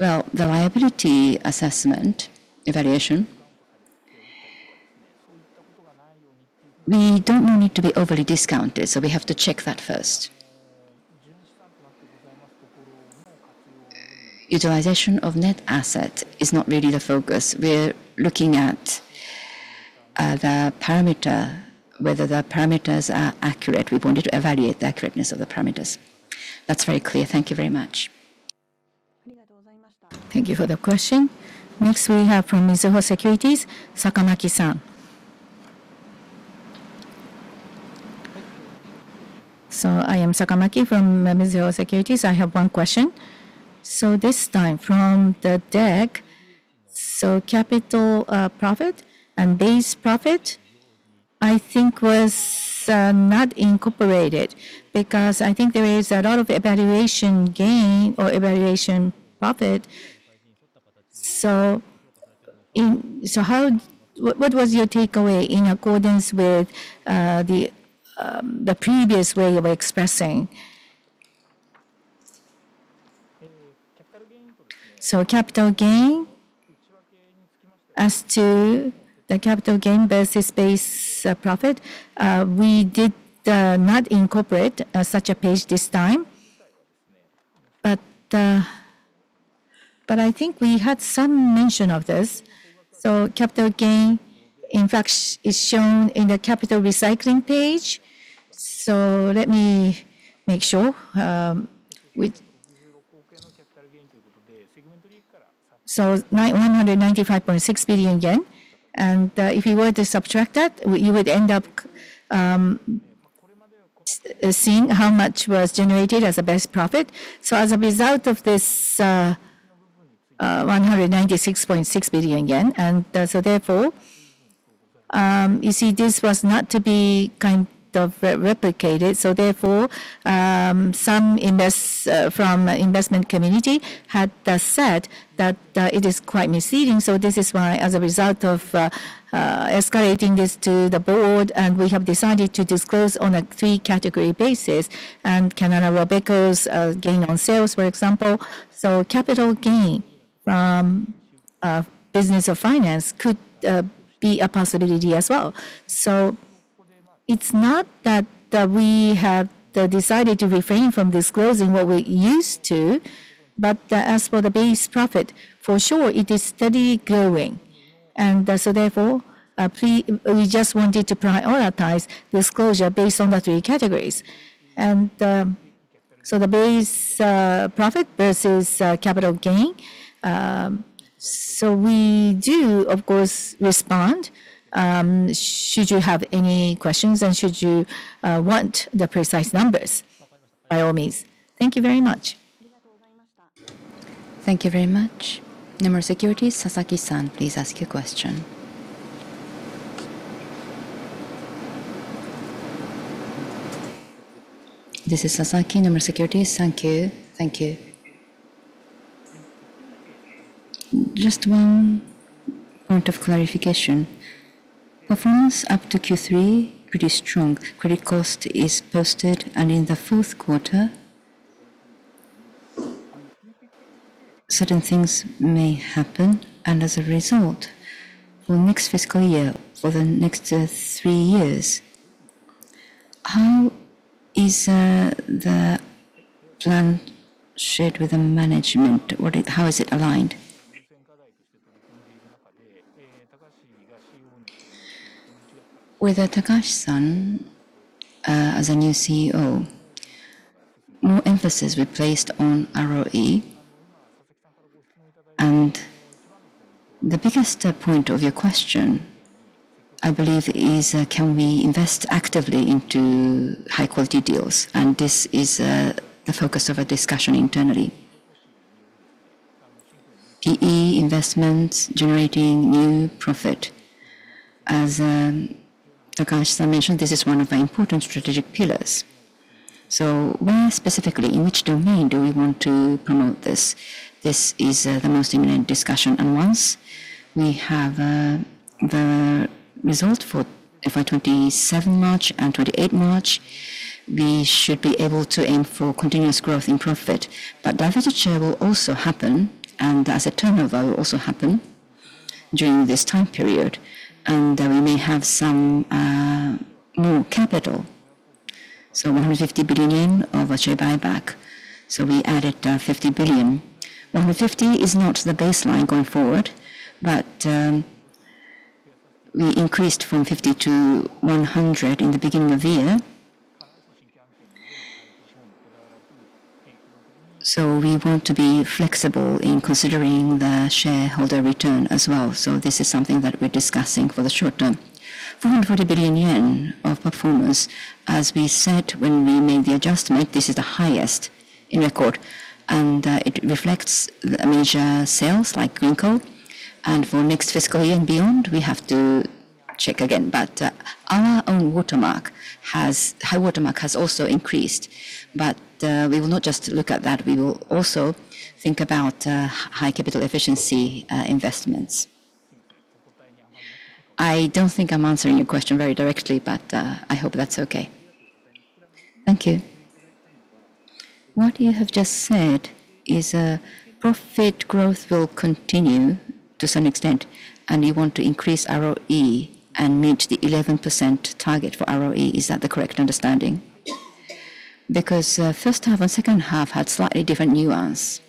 Well, the liability assessment evaluation, we don't need to be overly discounted, so we have to check that first. Utilization of net asset is not really the focus. We're looking at the parameter, whether the parameters are accurate. We wanted to evaluate the accurateness of the parameters. That's very clear. Thank you very much. Thank you for the question. Next, we have from Mizuho Securities, Sakamaki-san. So, I am Sakamaki from Mizuho Securities. I have one question. So, this time from the deck, so capital profit and base profit, I think was not incorporated because I think there is a lot of evaluation gain or evaluation profit. So, what was your takeaway in accordance with the previous way you were expressing? So, capital gain as to the capital gain versus base profit, we did not incorporate such a page this time. But I think we had some mention of this. So, capital gain, in fact, is shown in the capital recycling page. So, let me make sure. So, 195.6 billion yen. And if you were to subtract that, you would end up seeing how much was generated as a base profit. So, as a result of this, 196.6 billion yen. And so, therefore, you see, this was not to be kind of replicated. So, therefore, some investment community had said that it is quite misleading. So, this is why, as a result of escalating this to the board, and we have decided to disclose on a three-category basis and Canara Robeco's gain on sales, for example. So, capital gain from business of finance could be a possibility as well. It's not that we have decided to refrain from disclosing what we used to, but as for the base profit, for sure, it is steadily growing. Therefore, we just wanted to prioritize disclosure based on the three categories. The base profit versus capital gain. We do, of course, respond should you have any questions and should you want the precise numbers, by all means. Thank you very much. Thank you very much. Nomura Securities, Sasaki-san, please ask your question. This is Sasaki, Nomura Securities. Thank you. Thank you. Just one point of clarification. Performance up to Q3, pretty strong. Credit cost is posted. In the fourth quarter, certain things may happen. As a result, for next fiscal year or the next three years, how is the plan shared with the management? How is it aligned? With Takahashi-san as a new CEO, more emphasis we placed on ROE. And the biggest point of your question, I believe, is can we invest actively into high-quality deals? And this is the focus of our discussion internally. PE investments generating new profit. As Takahashi-san mentioned, this is one of our important strategic pillars. So, where specifically, in which domain do we want to promote this? This is the most imminent discussion. And once we have the result for March 2027 and March 2028, we should be able to aim for continuous growth in profit. But divestiture will also happen. And asset turnover will also happen during this time period. And we may have some more capital. So, 150 billion yen of a share buyback. So, we added 50 billion. 150 is not the baseline going forward, but we increased from 50 to 100 in the beginning of the year. So, we want to be flexible in considering the shareholder return as well. So, this is something that we're discussing for the short term. 440 billion yen of performance, as we said when we made the adjustment, this is the highest in record. And it reflects major sales like Greenko. And for next fiscal year and beyond, we have to check again. But our own high watermark has also increased. But we will not just look at that. We will also think about high-capital efficiency investments. I don't think I'm answering your question very directly, but I hope that's okay. Thank you. What you have just said is profit growth will continue to some extent. You want to increase ROE and meet the 11% target for ROE. Is that the correct understanding? Because first half and second half had slightly different nuance.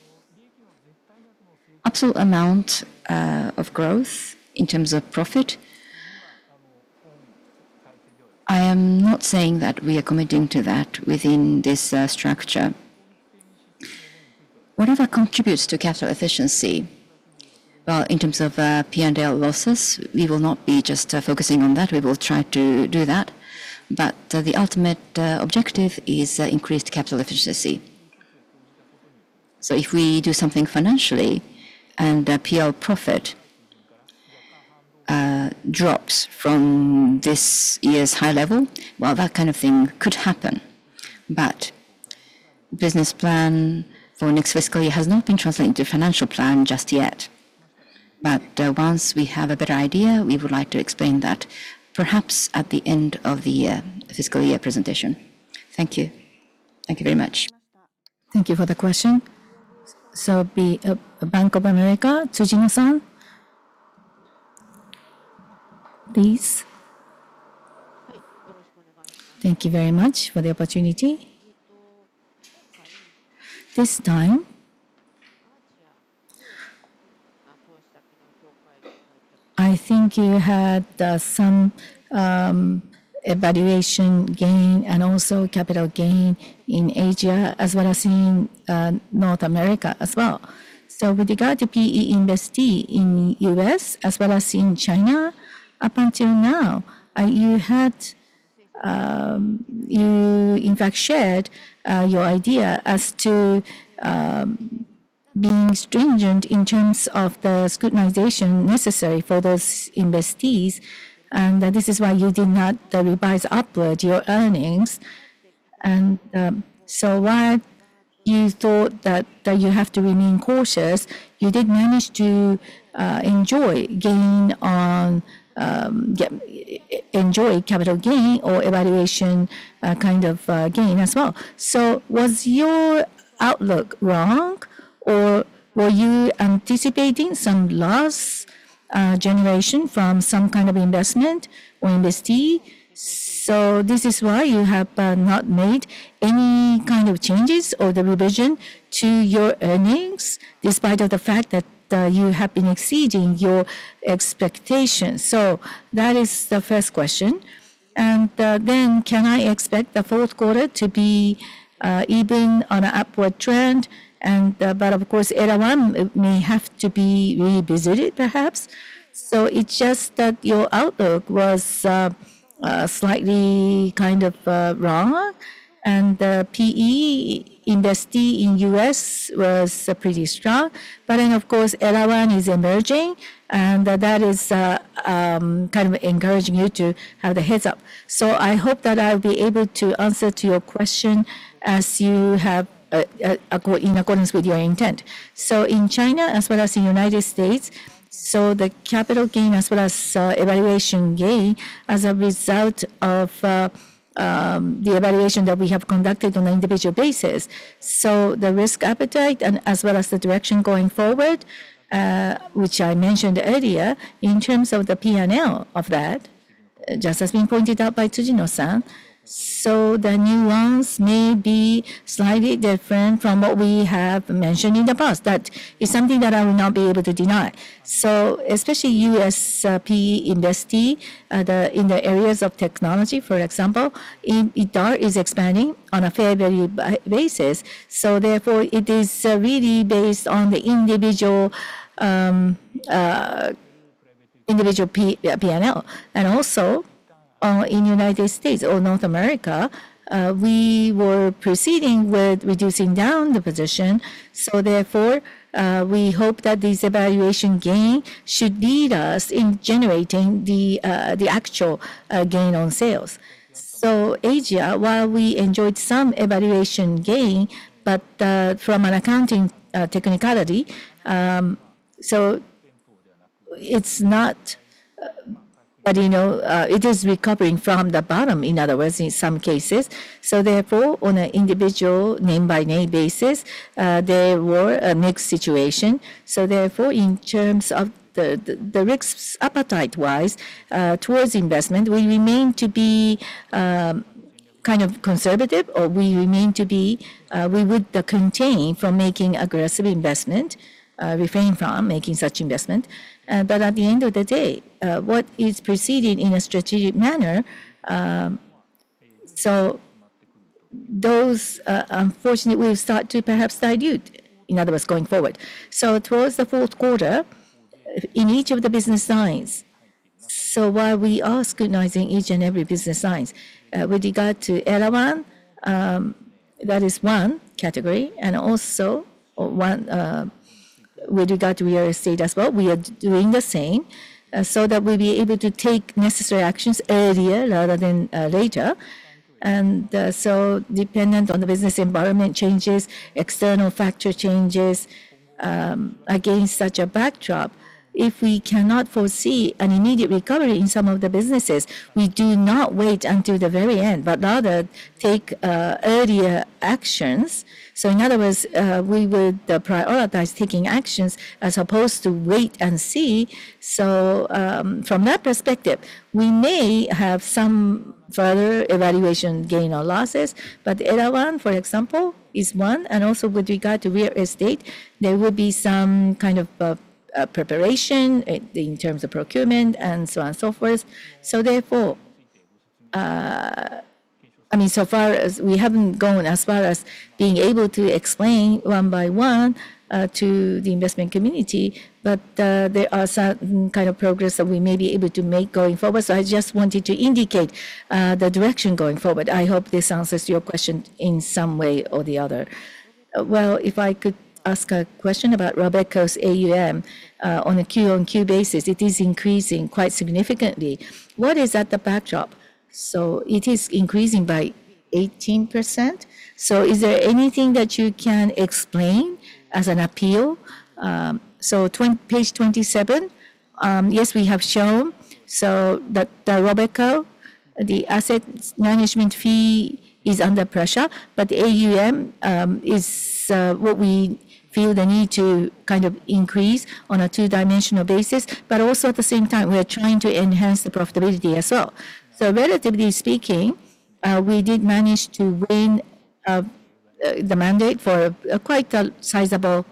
Absolute amount of growth in terms of profit, I am not saying that we are committing to that within this structure. Whatever contributes to capital efficiency, well, in terms of P&L losses, we will not be just focusing on that. We will try to do that. The ultimate objective is increased capital efficiency. If we do something financially and P/L profit drops from this year's high level, well, that kind of thing could happen. Business plan for next fiscal year has not been translated into financial plan just yet. But once we have a better idea, we would like to explain that perhaps at the end of the fiscal year presentation. Thank you. Thank you very much. Thank you for the question. So, Bank of America, Tsushima-san, please. Thank you very much for the opportunity. This time, I think you had some valuation gain and also capital gain in Asia as well as in North America as well. So, with regard to PE investee in the US as well as in China, up until now, you had, in fact, shared your idea as to being stringent in terms of the scrutiny necessary for those investees. And this is why you did not revise upward your earnings. And so, while you thought that you have to remain cautious, you did manage to enjoy gain on capital gain or valuation kind of gain as well. Was your outlook wrong or were you anticipating some loss generation from some kind of investment or investee? This is why you have not made any kind of changes or the revision to your earnings despite of the fact that you have been exceeding your expectations. That is the first question. Can I expect the fourth quarter to be even on an upward trend? Of course, Elawan may have to be revisited perhaps. It's just that your outlook was slightly kind of wrong. The PE investee in the US was pretty strong. Of course, Elawan is emerging. That is kind of encouraging you to have the heads up. I hope that I'll be able to answer to your question as you have in accordance with your intent. So, in China as well as in the United States, so the capital gain as well as valuation gain as a result of the valuation that we have conducted on an individual basis. So, the risk appetite and as well as the direction going forward, which I mentioned earlier in terms of the P&L of that, just as being pointed out by Tsushima-san. So, the nuance may be slightly different from what we have mentioned in the past. That is something that I will not be able to deny. So, especially US PE investee in the areas of technology, for example, ITAR is expanding on a fair value basis. So, therefore, it is really based on the individual P&L. And also, in the United States or North America, we were proceeding with reducing down the position. So, therefore, we hope that this valuation gain should lead us in generating the actual gain on sales. So, Asia, while we enjoyed some valuation gain, but from an accounting technicality, so it's not, but you know, it is recovering from the bottom, in other words, in some cases. So, therefore, on an individual name-by-name basis, there were mixed situations. So, therefore, in terms of the risk appetite-wise towards investment, we remain to be kind of conservative or we would refrain from making aggressive investment, refrain from making such investment. But at the end of the day, what is proceeding in a strategic manner, so those, unfortunately, we'll start to perhaps dilute, in other words, going forward. So, towards the fourth quarter, in each of the business lines. While we are scrutinizing each and every business lines, with regard to Elawan, that is one category. And also, with regard to real estate as well, we are doing the same so that we'll be able to take necessary actions earlier rather than later. And so, dependent on the business environment changes, external factor changes, against such a backdrop, if we cannot foresee an immediate recovery in some of the businesses, we do not wait until the very end but rather take earlier actions. So, in other words, we would prioritize taking actions as opposed to wait and see. So, from that perspective, we may have some further evaluation gain or losses. But Elawan, for example, is one. And also, with regard to real estate, there would be some kind of preparation in terms of procurement and so on and so forth. So, therefore, I mean, so far as we haven't gone as far as being able to explain one by one to the investment community. But there are some kind of progress that we may be able to make going forward. I just wanted to indicate the direction going forward. I hope this answers your question in some way or the other. Well, if I could ask a question about Robeco's AUM on a Q on Q basis, it is increasing quite significantly. What is at the backdrop? So, it is increasing by 18%. So, is there anything that you can explain as an appeal? So, page 27, yes, we have shown. So, the Robeco, the asset management fee is under pressure. But the AUM is what we feel the need to kind of increase on a two-dimensional basis. But also, at the same time, we are trying to enhance the profitability as well. So, relatively speaking, we did manage to win the mandate for quite a sizable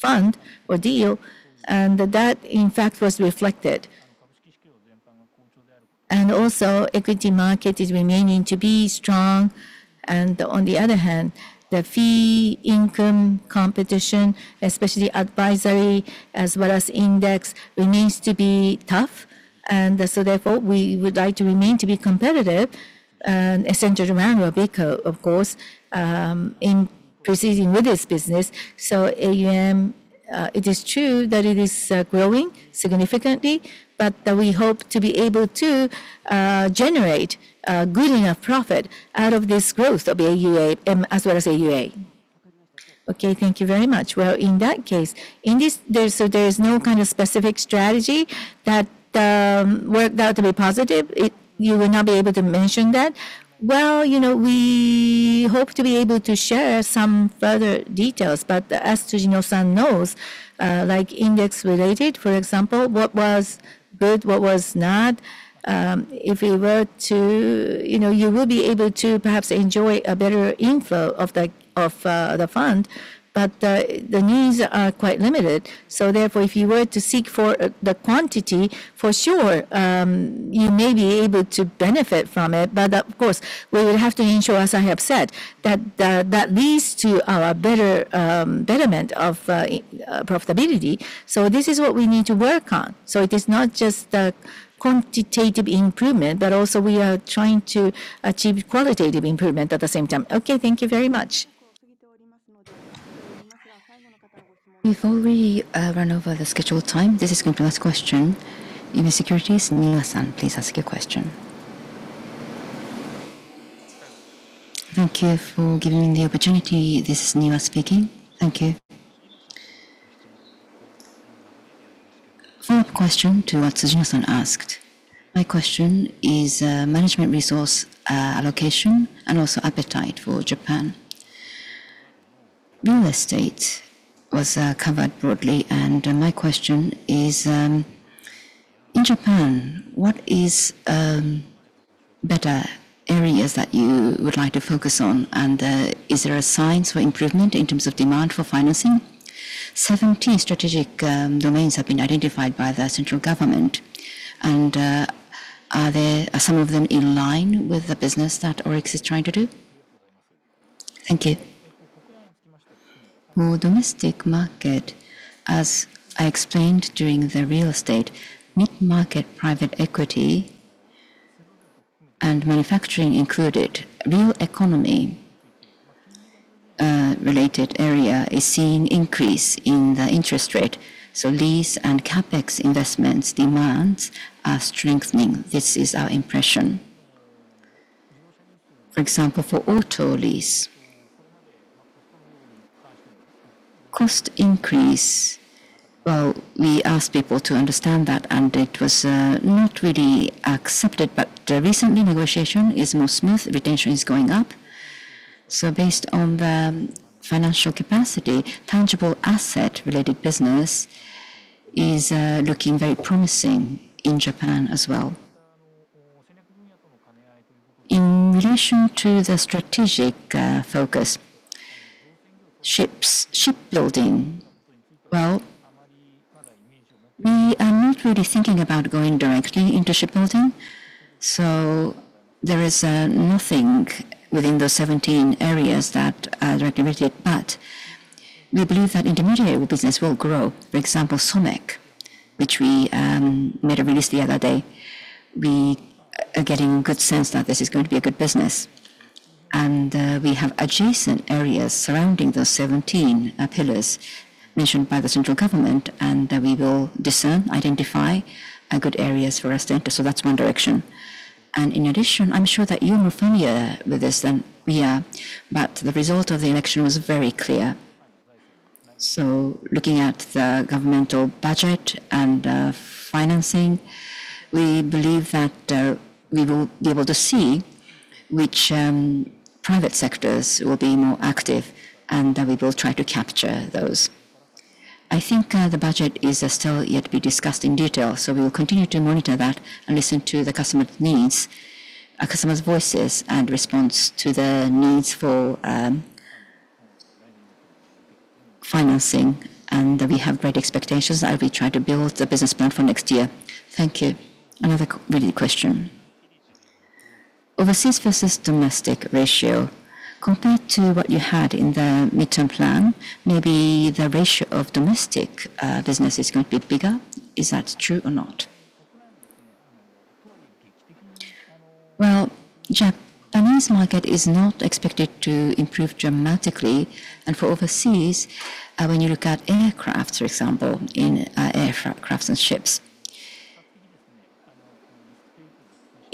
fund or deal. And that, in fact, was reflected. And also, equity market is remaining to be strong. And on the other hand, the fee income competition, especially advisory as well as index, remains to be tough. And so, therefore, we would like to remain to be competitive, essentially around Robeco, of course, in proceeding with this business. So, AUM, it is true that it is growing significantly. But we hope to be able to generate good enough profit out of this growth of AUM as well as AUA. Okay. Thank you very much. Well, in that case, in this so there is no kind of specific strategy that worked out to be positive. You will not be able to mention that. Well, you know, we hope to be able to share some further details. But as Tsushima-san knows, like index-related, for example, what was good, what was not, if you were to, you know, you will be able to perhaps enjoy a better info of the fund. But the needs are quite limited. So, therefore, if you were to seek for the quantity, for sure, you may be able to benefit from it. But, of course, we would have to ensure, as I have said, that leads to our betterment of profitability. So, this is what we need to work on. So, it is not just quantitative improvement, but also we are trying to achieve qualitative improvement at the same time. Okay. Thank you very much. Before we run over the scheduled time, this is going to be the last question. Citigroup, Niwa-san, please ask your question. Thank you for giving me the opportunity. This is Niwa speaking. Thank you. Follow-up question to what Tsushima-san asked. My question is management resource allocation and also appetite for Japan. Real estate was covered broadly. My question is, in Japan, what are better areas that you would like to focus on? And is there a sign for improvement in terms of demand for financing? 17 strategic domains have been identified by the central government. Are some of them in line with the business that ORIX is trying to do? Thank you. For domestic market, as I explained during the real estate, mid-market private equity and manufacturing included, real economy-related area is seeing increase in the interest rate. So, lease and CapEx investments demands are strengthening. This is our impression. For example, for auto lease, cost increase, well, we asked people to understand that. It was not really accepted. Recently, negotiation is more smooth. Retention is going up. Based on the financial capacity, tangible asset-related business is looking very promising in Japan as well. In relation to the strategic focus, shipbuilding, well, we are not really thinking about going directly into shipbuilding. There is nothing within those 17 areas that are directly related. We believe that intermediate business will grow. For example, Somec, which we made a release the other day, we are getting a good sense that this is going to be a good business. We have adjacent areas surrounding those 17 pillars mentioned by the central government. We will discern, identify good areas for us to enter. That's one direction. In addition, I'm sure that you're more familiar with this than we are. But the result of the election was very clear. So, looking at the governmental budget and financing, we believe that we will be able to see which private sectors will be more active and that we will try to capture those. I think the budget is still yet to be discussed in detail. So, we will continue to monitor that and listen to the customer's needs, customer's voices, and response to the needs for financing. And we have great expectations. I will try to build the business plan for next year. Thank you. Another real question. Overseas versus domestic ratio, compared to what you had in the mid-term plan, maybe the ratio of domestic business is going to be bigger. Is that true or not? Well, Japanese market is not expected to improve dramatically. For overseas, when you look at aircraft, for example, in aircraft and ships,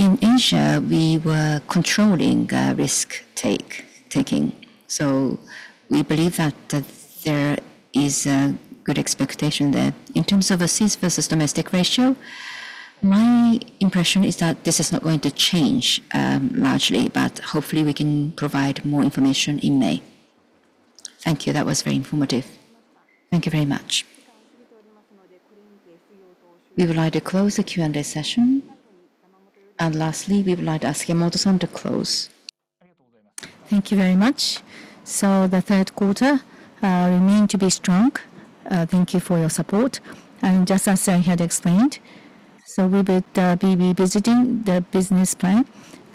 in Asia, we were controlling risk taking. So, we believe that there is a good expectation there. In terms of overseas versus domestic ratio, my impression is that this is not going to change largely. But hopefully, we can provide more information in May. Thank you. That was very informative. Thank you very much. We would like to close the Q&A session. And lastly, we would like to ask Yamamoto-san to close. Thank you very much. So, the third quarter remains to be strong. Thank you for your support. And just as I had explained, so we would be revisiting the business plan.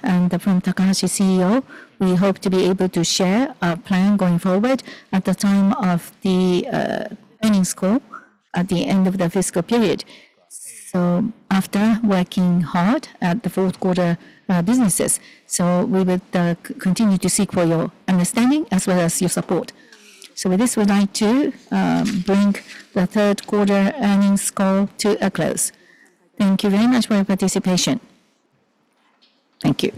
And from Takahashi CEO, we hope to be able to share our plan going forward at the time of the earnings call at the end of the fiscal period. After working hard at the fourth quarter businesses, so we would continue to seek for your understanding as well as your support. With this, we'd like to bring the third quarter earnings call to a close. Thank you very much for your participation. Thank you.